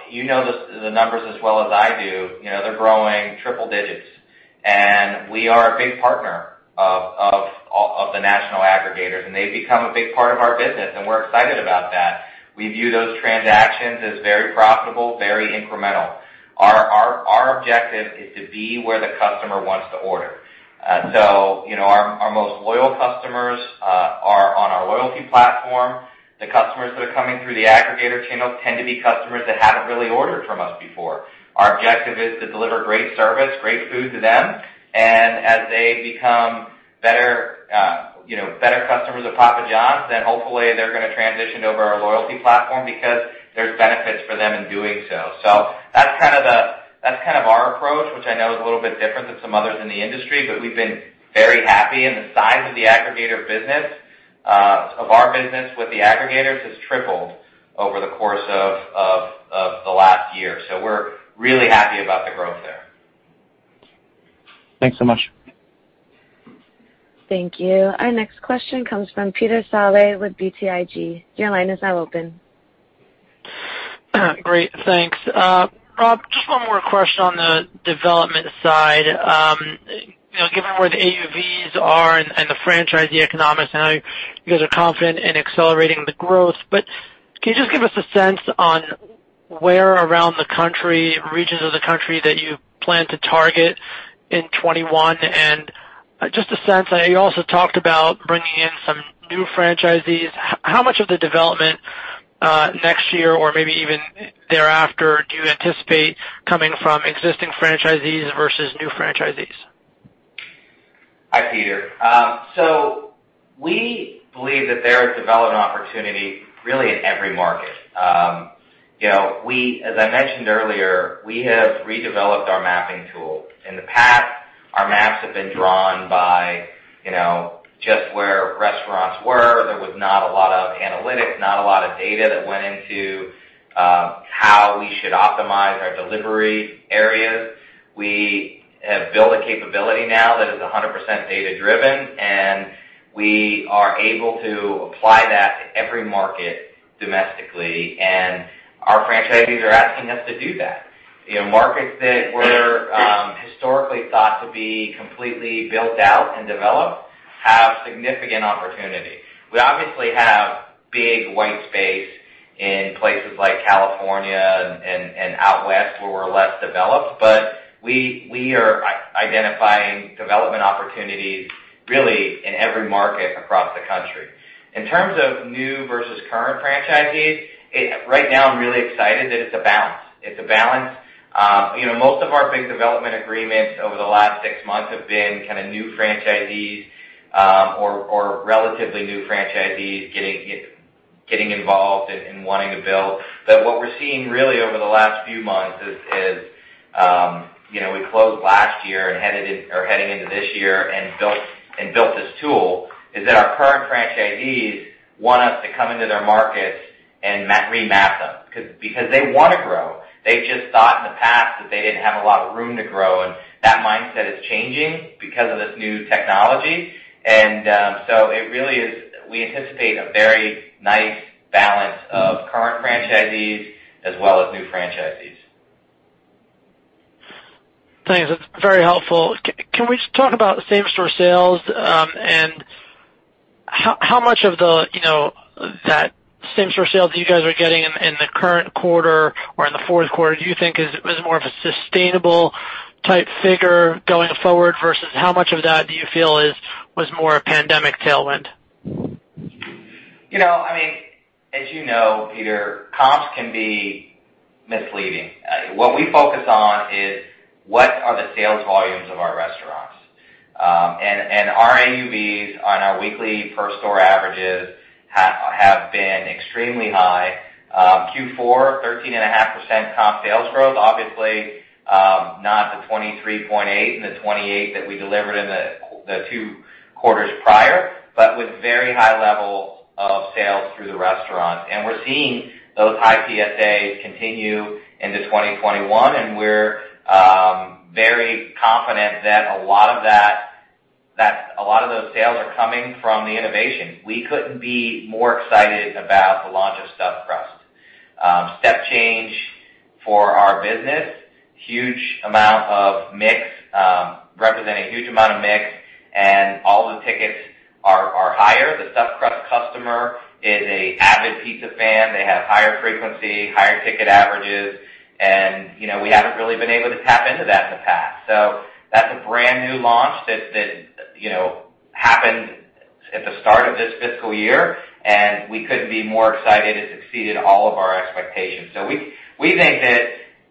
you know the numbers as well as I do. They're growing triple-digits, and we are a big partner of the national aggregators, and they've become a big part of our business, and we're excited about that. We view those transactions as very profitable, very incremental. Our objective is to be where the customer wants to order. Our most loyal customers are on our loyalty platform. The customers that are coming through the aggregator channels tend to be customers that haven't really ordered from us before. Our objective is to deliver great service, great food to them, and as they become better customers of Papa John's, then hopefully they're going to transition over our loyalty platform because there's benefits for them in doing so. That's our approach, which I know is a little bit different than some others in the industry, but we've been very happy, and the size of our business with the aggregators has tripled over the course of the last year. We're really happy about the growth there. Thanks so much. Thank you. Our next question comes from Peter Saleh with BTIG. Your line is now open. Great. Thanks. Rob, just one more question on the development side. Given where the AUVs are and the franchisee economics and how you guys are confident in accelerating the growth, can you just give us a sense on where around the country, regions of the country that you plan to target in 2021 and just a sense, you also talked about bringing in some new franchisees? How much of the development next year, or maybe even thereafter, do you anticipate coming from existing franchisees versus new franchisees? Hi, Peter. We believe that there is development opportunity really in every market. As I mentioned earlier, we have redeveloped our mapping tool. In the past, our maps have been drawn by just where restaurants were. There was not a lot of analytics, not a lot of data that went into how we should optimize our delivery areas. We have built a capability now that is 100% data-driven, and we are able to apply that to every market domestically, and our franchisees are asking us to do that. Markets that were historically thought to be completely built out and developed have significant opportunity. We obviously have big white space in places like California and out West where we're less developed. We are identifying development opportunities really in every market across the country. In terms of new versus current franchisees, right now, I'm really excited that it's a balance. It's a balance. Most of our big development agreements over the last six months have been new franchisees, or relatively new franchisees getting involved and wanting to build. What we're seeing really over the last few months is, we closed last year and are heading into this year and built this tool, is that our current franchisees want us to come into their markets and remap them, because they want to grow. They just thought in the past that they didn't have a lot of room to grow, and that mindset is changing because of this new technology. We anticipate a very nice balance of current franchisees as well as new franchisees. Thanks. That's very helpful. How much of that same-store sale that you guys are getting in the current quarter or in the fourth quarter do you think is more of a sustainable type figure going forward versus how much of that do you feel was more a pandemic tailwind? As you know, Peter, comps can be misleading. What we focus on is what are the sales volumes of our restaurants. Our AUVs on our weekly per store averages have been extremely high. Q4, 13.5% comp sales growth, obviously, not the 23.8% and the 28% that we delivered in the two quarters prior, but with very high levels of sales through the restaurant. We're seeing those high PSAs continue into 2021, and we're very confident that a lot of those sales are coming from the innovation. We couldn't be more excited about the launch of Stuffed Crust. Step change for our business, representing a huge amount of mix, and all the tickets are higher. The Stuffed Crust customer is a avid pizza fan. They have higher frequency, higher ticket averages, and we haven't really been able to tap into that in the past. That's a brand new launch that happened at the start of this fiscal year, and we couldn't be more excited. It's exceeded all of our expectations. We think that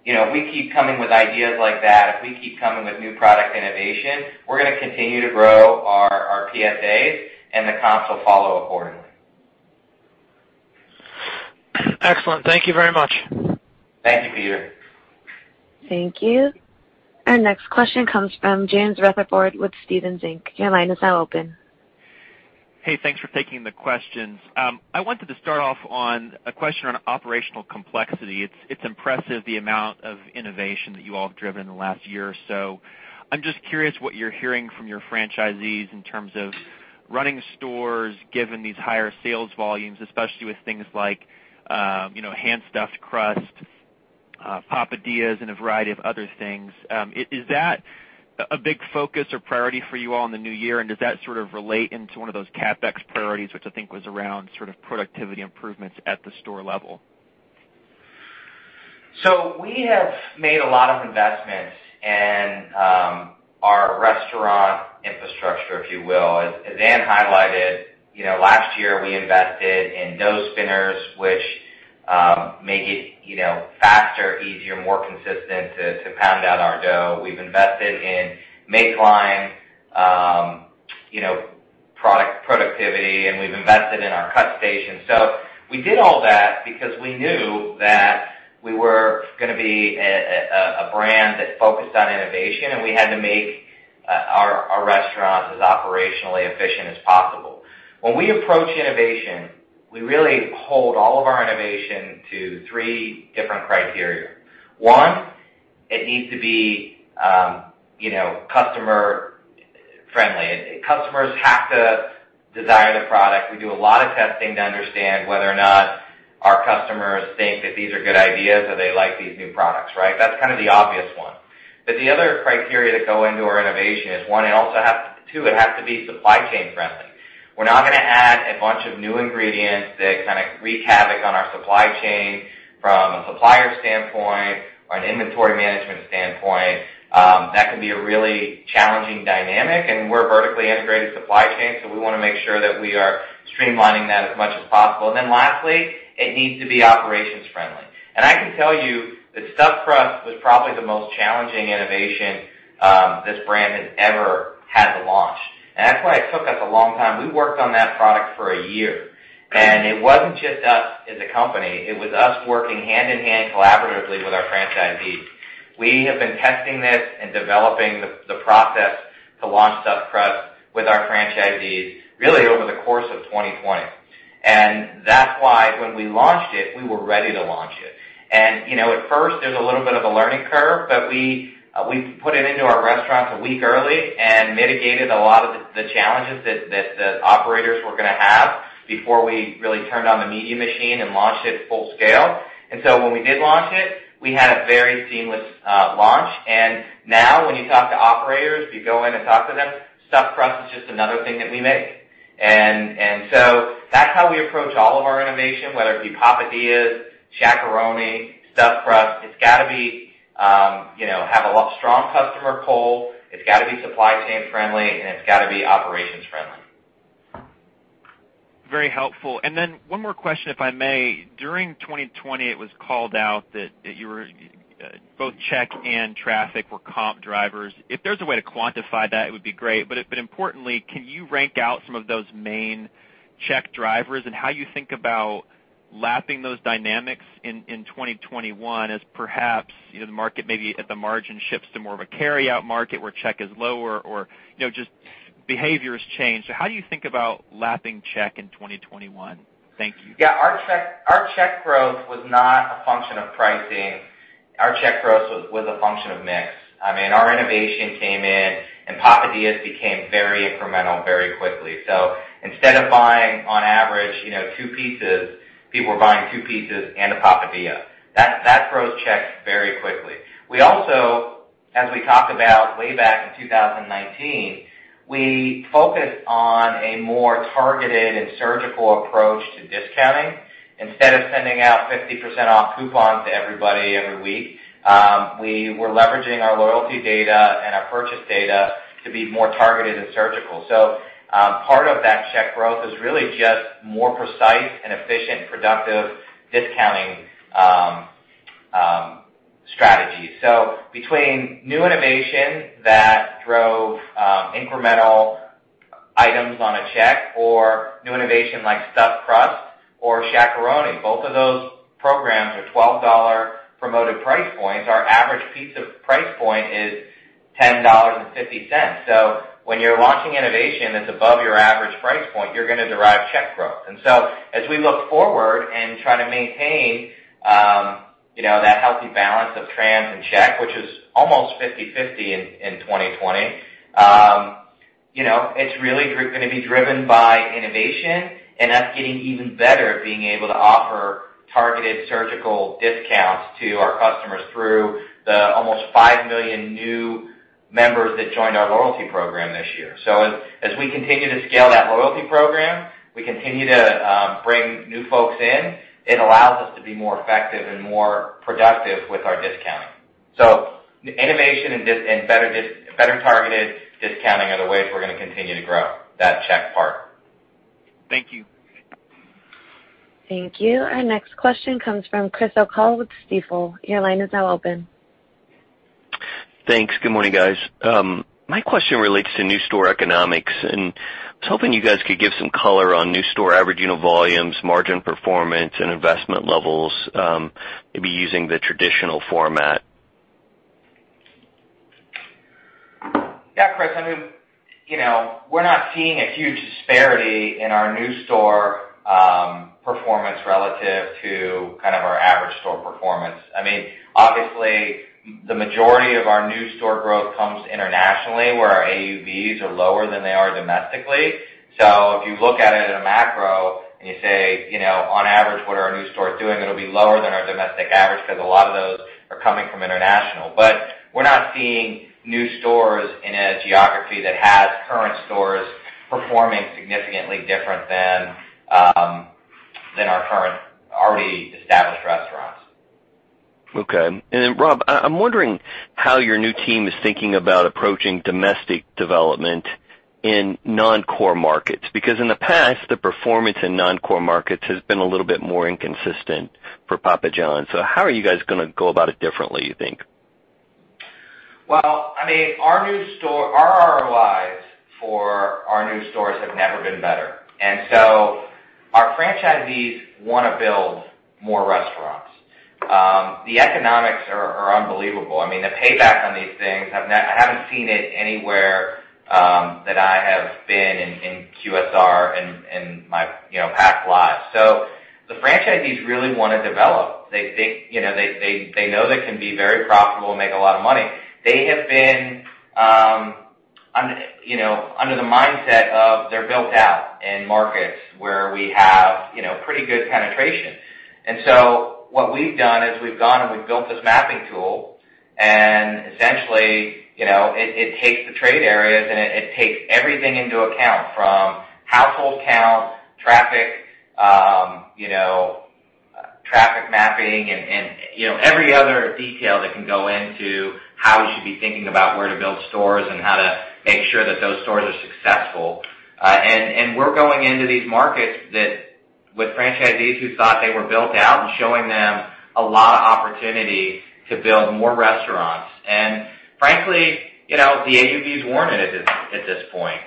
if we keep coming with ideas like that, if we keep coming with new product innovation, we're going to continue to grow our PSAs, and the comps will follow accordingly. Excellent. Thank you very much. Thank you, Peter. Thank you. Our next question comes from Jim Salera with Stephens Inc Your line is now open. Hey, thanks for taking the questions. I wanted to start off on a question on operational complexity. It's impressive the amount of innovation that you all have driven in the last year or so. I'm just curious what you're hearing from your franchisees in terms of running stores, given these higher sales volumes, especially with things like hand-stuffed crust, Papadia, and a variety of other things. Is that a big focus or priority for you all in the new year, and does that sort of relate into one of those CapEx priorities, which I think was around sort of productivity improvements at the store level? We have made a lot of investments in our restaurant infrastructure, if you will. As Ann highlighted, last year, we invested in dough spinners, which make it faster, easier, more consistent to pound out our dough. We've invested in makeline productivity, and we've invested in our cut stations. We did all that because we knew that we were going to be a brand that focused on innovation, and we had to make our restaurants as operationally efficient as possible. When we approach innovation, we really hold all of our innovation to three different criteria. One, it needs to be customer friendly. Customers have to desire the product. We do a lot of testing to understand whether or not our customers think that these are good ideas or they like these new products. That's kind of the obvious one. The other criteria that go into our innovation is, two, it has to be supply chain friendly. We're not going to add a bunch of new ingredients that kind of wreak havoc on our supply chain from a supplier standpoint or an inventory management standpoint. That can be a really challenging dynamic, and we're a vertically integrated supply chain, so we want to make sure that we are streamlining that as much as possible. Lastly, it needs to be operations friendly. I can tell you that Stuffed Crust was probably the most challenging innovation this brand has ever had to launch. That's why it took us a long time. We worked on that product for one year, and it wasn't just us as a company. It was us working hand in hand collaboratively with our franchisees. We have been testing this and developing the process to launch Stuffed Crust with our franchisees really over the course of 2020. That's why when we launched it, we were ready to launch it. At first, there was a little bit of a learning curve, but we put it into our restaurants a week early and mitigated a lot of the challenges that the operators were going to have before we really turned on the media machine and launched it full scale. When we did launch it, we had a very seamless launch. Now when you talk to operators, if you go in and talk to them, Stuffed Crust is just another thing that we make. That's how we approach all of our innovation, whether it be Papadia, Shaq-a-Roni, Stuffed Crust. It's got to have a strong customer pull, it's got to be supply chain friendly, and it's got to be operations friendly. Very helpful. Then one more question, if I may. During 2020, it was called out that both check and traffic were comp drivers. If there's a way to quantify that, it would be great. Importantly, can you rank out some of those main check drivers and how you think about lapping those dynamics in 2021 as perhaps, the market maybe at the margin shifts to more of a carryout market where check is lower or, just behaviors change. How do you think about lapping check in 2021? Thank you. Yeah, our check growth was not a function of pricing. Our check growth was a function of mix. Our innovation came in and Papadia became very incremental very quickly. Instead of buying on average, two pieces, people were buying two pieces and a Papadia. That grows checks very quickly. We also, as we talked about way back in 2019, we focused on a more targeted and surgical approach to discounting. Instead of sending out 50% off coupons to everybody every week, we were leveraging our loyalty data and our purchase data to be more targeted and surgical. Part of that check growth is really just more precise and efficient, productive discounting strategies. Between new innovation that drove incremental items on a check or new innovation like Stuffed Crust or Shaq-a-Roni, both of those programs are $12 promoted price points. Our average pizza price point is $10.50. When you're launching innovation that's above your average price point, you're going to derive check growth. As we look forward and try to maintain that healthy balance of trans and check, which is almost 50/50 in 2020, it's really going to be driven by innovation, and us getting even better at being able to offer targeted surgical discounts to our customers through the almost 5 million new members that joined our loyalty program this year. As we continue to scale that loyalty program, we continue to bring new folks in. It allows us to be more effective and more productive with our discounting. Innovation and better targeted discounting are the ways we're going to continue to grow that check part. Thank you. Thank you. Our next question comes from Chris O'Cull with Stifel. Your line is now open. Thanks. Good morning, guys. My question relates to new store economics, and I was hoping you guys could give some color on new store average unit volumes, margin performance, and investment levels, maybe using the traditional format. Yeah, Chris, we're not seeing a huge disparity in our new store performance relative to our average store performance. Obviously, the majority of our new store growth comes internationally, where our AUVs are lower than they are domestically. If you look at it in a macro and you say, on average, what are our new stores doing? It'll be lower than our domestic average because a lot of those are coming from international. We're not seeing new stores in a geography that has current stores performing significantly different than our current already established restaurants. Okay. Rob, I'm wondering how your new team is thinking about approaching domestic development in non-core markets, because in the past, the performance in non-core markets has been a little bit more inconsistent for Papa John's. How are you guys going to go about it differently, you think? Our ROIs for our new stores have never been better. Our franchisees want to build more restaurants. The economics are unbelievable. The payback on these things, I haven't seen it anywhere that I have been in QSR in my past lives. The franchisees really want to develop. They know they can be very profitable and make a lot of money. They have been under the mindset of they're built out in markets where we have pretty good penetration. What we've done is we've gone and we've built this mapping tool, and essentially, it takes the trade areas and it takes everything into account from household count, traffic mapping, and every other detail that can go into how we should be thinking about where to build stores and how to make sure that those stores are successful. We're going into these markets with franchisees who thought they were built out and showing them a lot of opportunity to build more restaurants. Frankly, the AUVs warrant it at this point.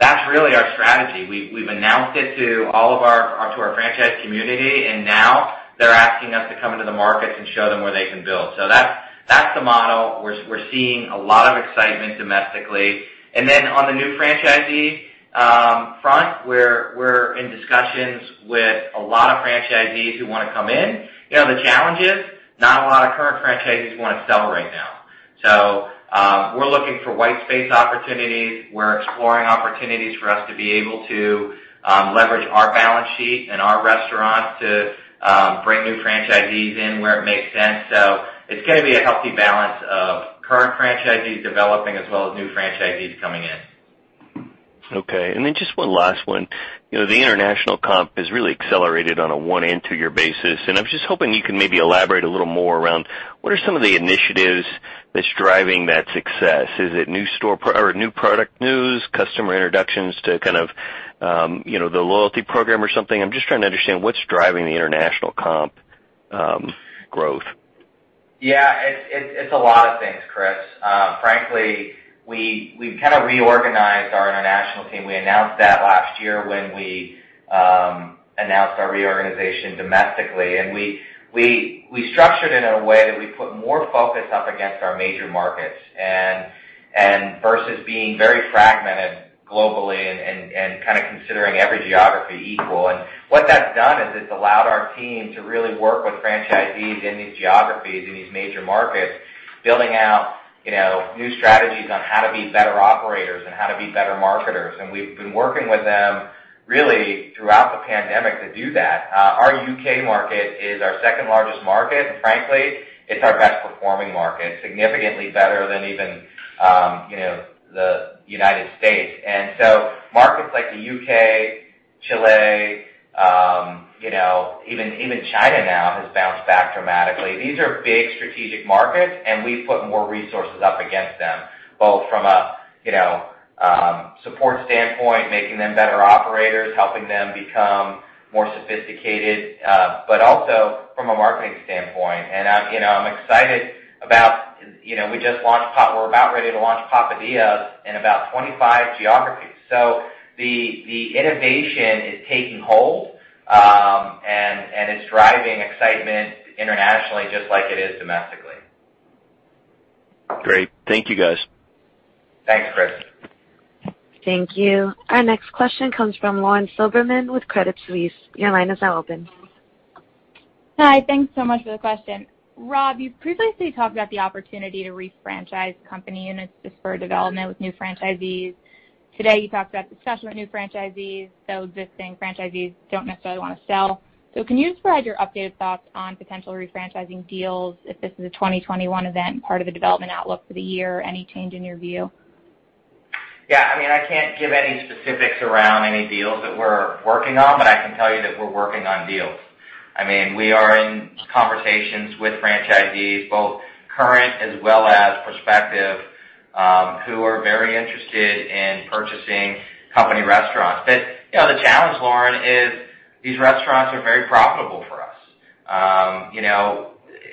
That's really our strategy. We've announced it to our franchise community, now they're asking us to come into the markets and show them where they can build. That's the model. We're seeing a lot of excitement domestically. On the new franchisee front, we're in discussions with a lot of franchisees who want to come in. The challenge is, not a lot of current franchisees want to sell right now. We're looking for white space opportunities. We're exploring opportunities for us to be able to leverage our balance sheet and our restaurants to bring new franchisees in where it makes sense. It's going to be a healthy balance of current franchisees developing as well as new franchisees coming in. Okay, just one last one too. The international comp has really accelerated on a one and two year basis. I was just hoping you can maybe elaborate a little more around what are some of the initiatives that's driving that success. Is it new product news, customer introductions to the loyalty program or something? I'm just trying to understand what's driving the international comp growth. Yeah. It's a lot of things, Chris. Frankly, we've reorganized our international team. We announced that last year when we announced our reorganization domestically, and we structured it in a way that we put more focus up against our major markets versus being very fragmented globally and considering every geography equal. What that's done is it's allowed our team to really work with franchisees in these geographies, in these major markets, building out new strategies on how to be better operators and how to be better marketers. We've been working with them really throughout the pandemic to do that. Our U.K. market is our second largest market, and frankly, it's our best performing market, significantly better than even the United States. So markets like the U.K., Chile, even China now has bounced back dramatically. These are big strategic markets, we've put more resources up against them, both from a support standpoint, making them better operators, helping them become more sophisticated, but also from a marketing standpoint. I'm excited about we're about ready to launch Papadia in about 25 geographies. The innovation is taking hold, and it's driving excitement internationally just like it is domestically. Great. Thank you, guys. Thanks, Chris. Thank you. Our next question comes from Lauren Silberman with Credit Suisse. Your line is now open. Hi. Thanks so much for the question. Rob, you've previously talked about the opportunity to refranchise company units to spur development with new franchisees. Today, you talked about discussion with new franchisees, existing franchisees don't necessarily want to sell. Can you just provide your updated thoughts on potential refranchising deals if this is a 2021 event and part of the development outlook for the year? Any change in your view? Yeah. I can't give any specifics around any deals that we're working on, but I can tell you that we're working on deals. We are in conversations with franchisees, both current as well as prospective, who are very interested in purchasing company restaurants. The challenge, Lauren, is these restaurants are very profitable for us.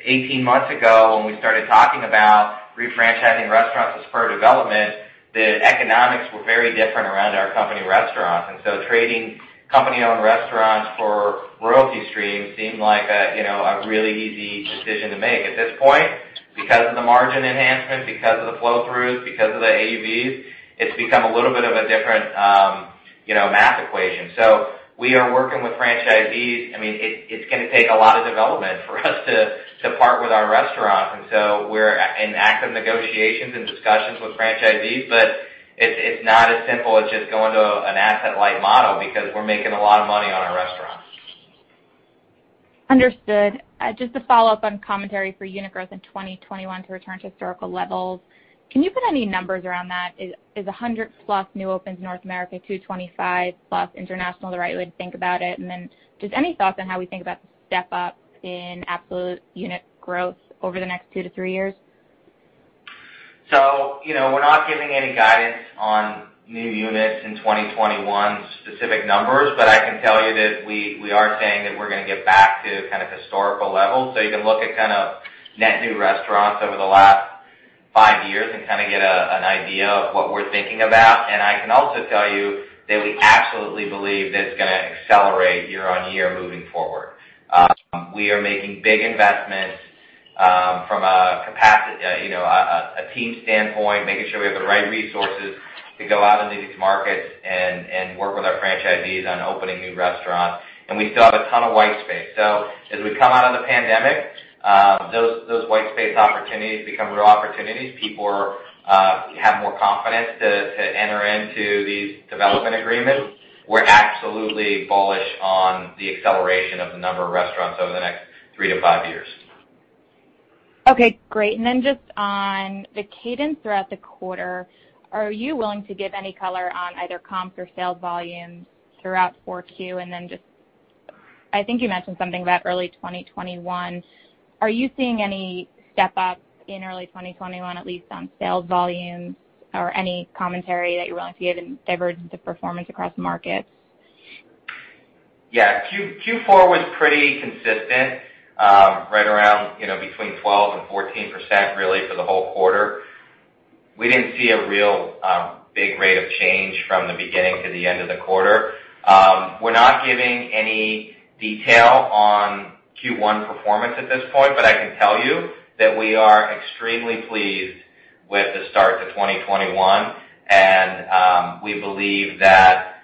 18 months ago, when we started talking about refranchising restaurants to spur development, the economics were very different around our company restaurants. Trading company-owned restaurants for royalty streams seemed like a really easy decision to make. At this point, because of the margin enhancement, because of the flow throughs, because of the AUVs, it's become a little bit of a different math equation. We are working with franchisees. It's going to take a lot of development for us to part with our restaurants. We're in active negotiations and discussions with franchisees, but it's not as simple as just going to an asset-light model because we're making a lot of money on our restaurants. Understood. Just to follow up on commentary for unit growth in 2021 to return to historical levels, can you put any numbers around that? Is 100+ new opens North America, 225+ international, the right way to think about it? Just any thoughts on how we think about the step-up in absolute unit growth over the next two to three years? We're not giving any guidance on new units in 2021 specific numbers. I can tell you that we are saying that we're going to get back to historical levels. You can look at net new restaurants over the last five years and get an idea of what we're thinking about. I can also tell you that we absolutely believe that it's going to accelerate year-on-year moving forward. We are making big investments from a team standpoint, making sure we have the right resources to go out into these markets and work with our franchisees on opening new restaurants. We still have a ton of white space. As we come out of the pandemic, those white space opportunities become real opportunities. People have more confidence to enter into these development agreements. We're absolutely bullish on the acceleration of the number of restaurants over the next three to five years. Okay, great. Just on the cadence throughout the quarter, are you willing to give any color on either comps or sales volumes throughout 4Q? Just, I think you mentioned something about early 2021. Are you seeing any step-up in early 2021, at least on sales volumes or any commentary that you're willing to give in divergence of performance across markets? Yeah. Q4 was pretty consistent, right around between 12% and 14%, really, for the whole quarter. We didn't see a real big rate of change from the beginning to the end of the quarter. We're not giving any detail on Q1 performance at this point. I can tell you that we are extremely pleased with the start to 2021. We believe that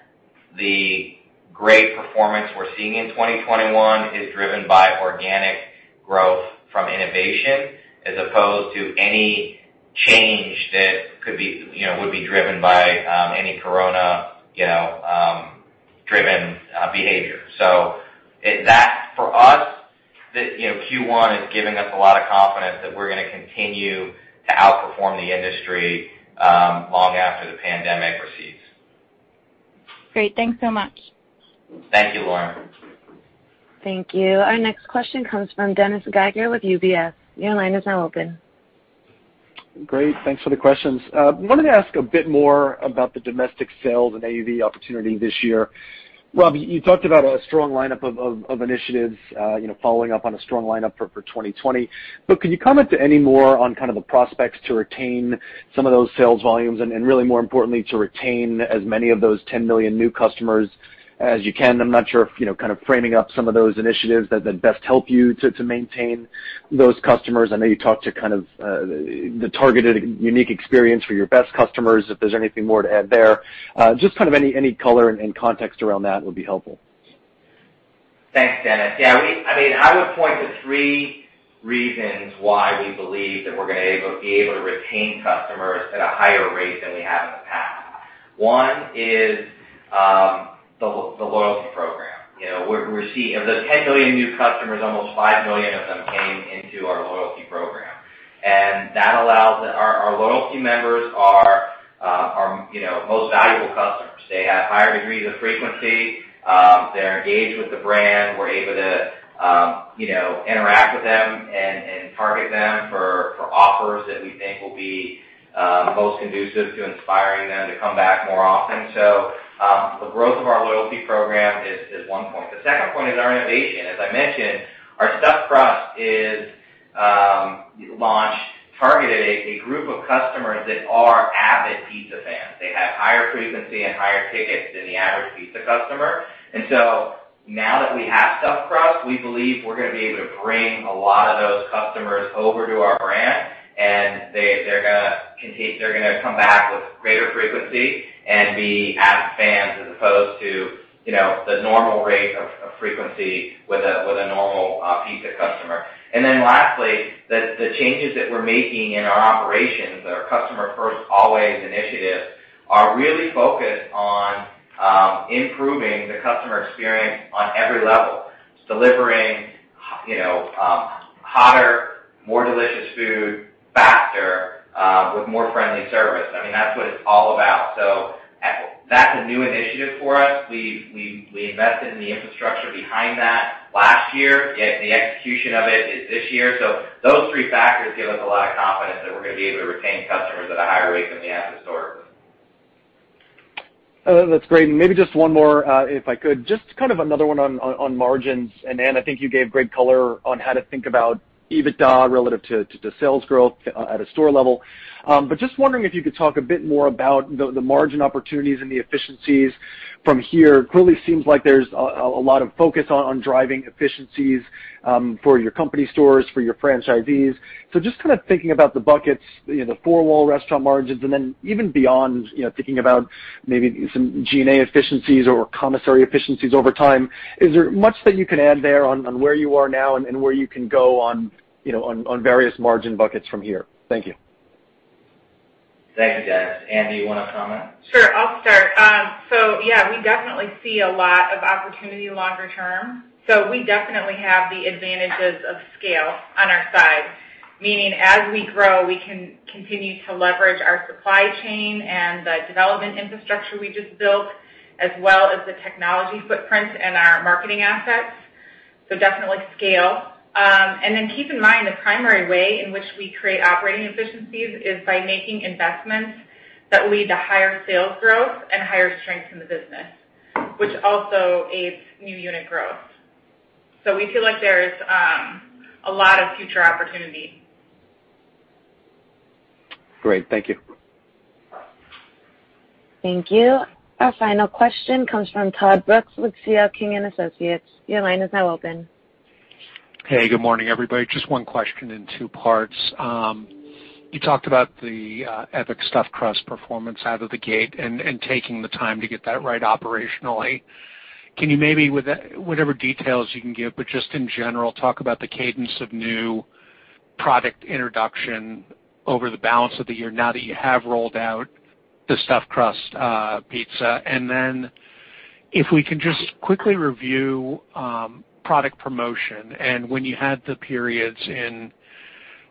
the great performance we're seeing in 2021 is driven by organic growth from innovation as opposed to any change that would be driven by any corona-driven behavior. That, for us, Q1 is giving us a lot of confidence that we're going to continue to outperform the industry long after the pandemic recedes. Great. Thanks so much. Thank you, Lauren. Thank you. Our next question comes from Dennis Geiger with UBS. Your line is now open. Great. Thanks for the questions. I wanted to ask a bit more about the domestic sales and AUV opportunity this year. Rob, you talked about a strong lineup of initiatives following up on a strong lineup for 2020. Can you comment any more on the prospects to retain some of those sales volumes and really more importantly, to retain as many of those 10 million new customers as you can? I'm not sure if, kind of framing up some of those initiatives that best help you to maintain those customers. I know you talked to the targeted unique experience for your best customers. If there's anything more to add there? Just any color and context around that would be helpful. Thanks, Dennis. I would point to three reasons why we believe that we're going to be able to retain customers at a higher rate than we have in the past. One is the loyalty program. Of the 10 million new customers, almost five million of them came into our loyalty program. Our loyalty members are our most valuable customers. They have higher degrees of frequency. They're engaged with the brand. We're able to interact with them and target them for offers that we think will be most conducive to inspiring them to come back more often. The growth of our loyalty program is one point. The second point is our innovation. As I mentioned, our Stuffed Crust targeted a group of customers that are avid pizza fans. They have higher frequency and higher tickets than the average pizza customer. Now that we have Stuffed Crust, we believe we're going to be able to bring a lot of those customers over to our brand, and they're going to come back with greater frequency and be avid fans as opposed to the normal rate of frequency with a normal pizza customer. Lastly, the changes that we're making in our operations, our Customer First, Always initiative, are really focused on improving the customer experience on every level. Delivering hotter, more delicious food faster, with more friendly service. That's what it's all about. That's a new initiative for us. We invested in the infrastructure behind that last year, yet the execution of it is this year. Those three factors give us a lot of confidence that we're going to be able to retain customers at a higher rate than we have historically. That's great. Maybe just one more, if I could. Just another one on margins. Ann, I think you gave great color on how to think about EBITDA relative to sales growth at a store level. Just wondering if you could talk a bit more about the margin opportunities and the efficiencies from here. Clearly seems like there's a lot of focus on driving efficiencies for your company stores, for your franchisees. Just thinking about the buckets, the four-wall restaurant margins, and then even beyond, thinking about maybe some G&A efficiencies or commissary efficiencies over time. Is there much that you can add there on where you are now and where you can go on various margin buckets from here? Thank you. Thanks, Dennis. Ann, do you want to comment? Sure, I'll start. Yeah, we definitely see a lot of opportunity longer term. We definitely have the advantages of scale on our side, meaning as we grow, we can continue to leverage our supply chain and the development infrastructure we just built, as well as the technology footprint and our marketing assets. Definitely scale. Keep in mind, the primary way in which we create operating efficiencies is by making investments that lead to higher sales growth and higher strength in the business, which also aids new unit growth. We feel like there is a lot of future opportunity. Great. Thank you. Thank you. Our final question comes from Todd Brooks with C.L. King & Associates. Your line is now open. Hey, good morning, everybody. Just one question in two parts. You talked about the Epic Stuffed Crust performance out of the gate and taking the time to get that right operationally. Can you maybe, with whatever details you can give, but just in general, talk about the cadence of new product introduction over the balance of the year now that you have rolled out the Stuffed Crust Pizza? Then if we can just quickly review product promotion and when you had the periods in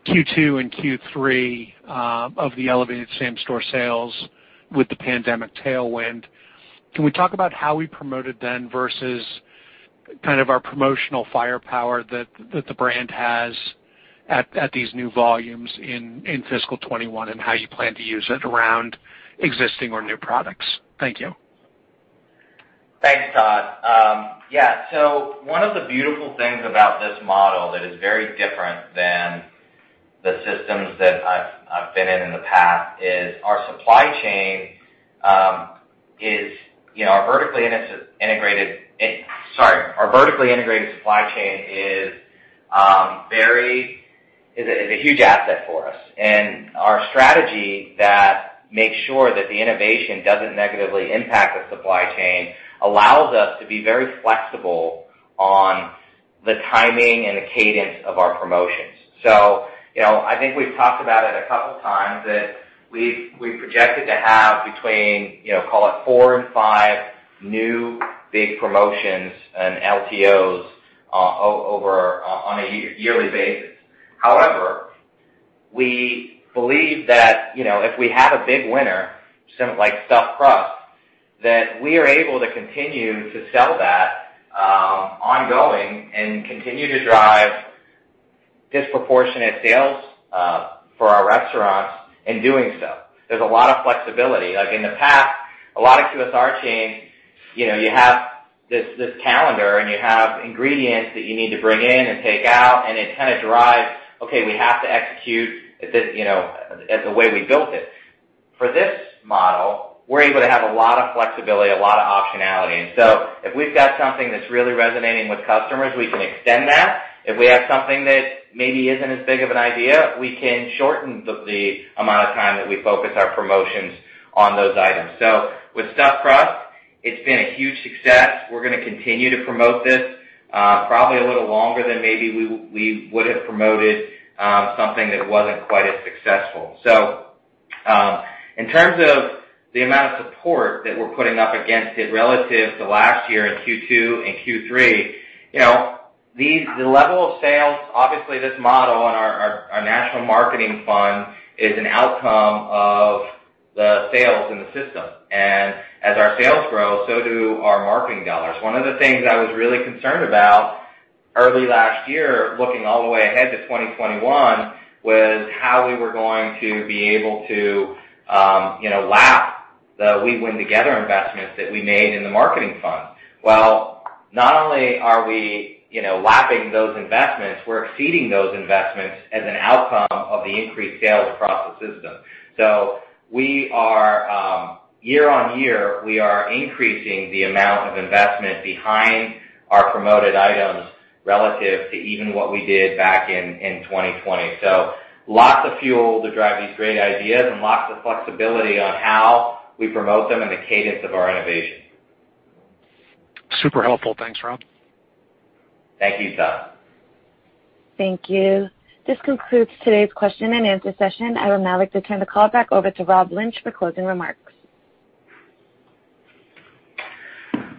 Q2 and Q3 of the elevated same-store sales with the pandemic tailwind, can we talk about how we promoted then versus our promotional firepower that the brand has at these new volumes in fiscal 2021, and how you plan to use it around existing or new products? Thank you. Thanks, Todd. One of the beautiful things about this model that is very different than the systems that I've been in in the past is our vertically integrated supply chain is a huge asset for us, and our strategy that makes sure that the innovation doesn't negatively impact the supply chain allows us to be very flexible on the timing and the cadence of our promotions. I think we've talked about it a couple times, that we've projected to have between call it four and five new big promotions and LTOs on a yearly basis. However, we believe that if we have a big winner, something like Stuffed Crust, that we are able to continue to sell that ongoing and continue to drive disproportionate sales for our restaurants in doing so. There's a lot of flexibility. Like in the past, a lot of QSR chains, you have this calendar, you have ingredients that you need to bring in and take out, and it kind of drives, okay, we have to execute the way we built it. For this model, we're able to have a lot of flexibility, a lot of optionality. If we've got something that's really resonating with customers, we can extend that. If we have something that maybe isn't as big of an idea, we can shorten the amount of time that we focus our promotions on those items. With Stuffed Crust, it's been a huge success. We're going to continue to promote this probably a little longer than maybe we would have promoted something that wasn't quite as successful. In terms of the amount of support that we're putting up against it relative to last year in Q2 and Q3, the level of sales, obviously this model and our national marketing fund is an outcome of the sales in the system. As our sales grow, so do our marketing dollars. One of the things I was really concerned about early last year, looking all the way ahead to 2021, was how we were going to be able to lap the We Win Together investments that we made in the marketing fund. Not only are we lapping those investments, we're exceeding those investments as an outcome of the increased sales across the system. Year-on-year, we are increasing the amount of investment behind our promoted items relative to even what we did back in 2020. Lots of fuel to drive these great ideas and lots of flexibility on how we promote them and the cadence of our innovation. Super helpful. Thanks, Rob. Thank you, Todd. Thank you. This concludes today's question-and-answer session. I would now like to turn the call back over to Rob Lynch for closing remarks.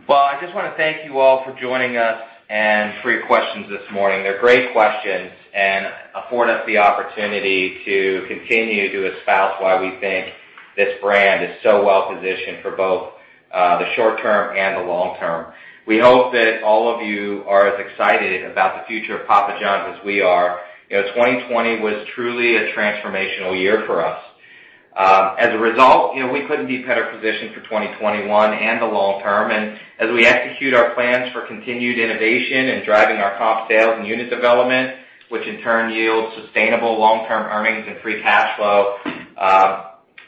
Well, I just want to thank you all for joining us and for your questions this morning. They're great questions and afford us the opportunity to continue to espouse why we think this brand is so well-positioned for both the short term and the long term. We hope that all of you are as excited about the future of Papa John's as we are. 2020 was truly a transformational year for us. As a result, we couldn't be better positioned for 2021 and the long term. As we execute our plans for continued innovation and driving our comp sales and unit development, which in turn yields sustainable long-term earnings and free cash flow,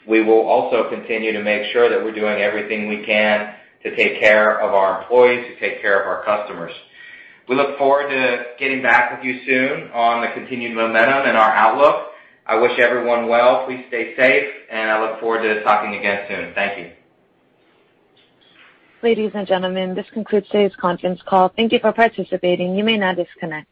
we will also continue to make sure that we're doing everything we can to take care of our employees, to take care of our customers. We look forward to getting back with you soon on the continued momentum and our outlook. I wish everyone well. Please stay safe, and I look forward to talking again soon. Thank you. Ladies and gentlemen, this concludes today's conference call. Thank you for participating. You may now disconnect.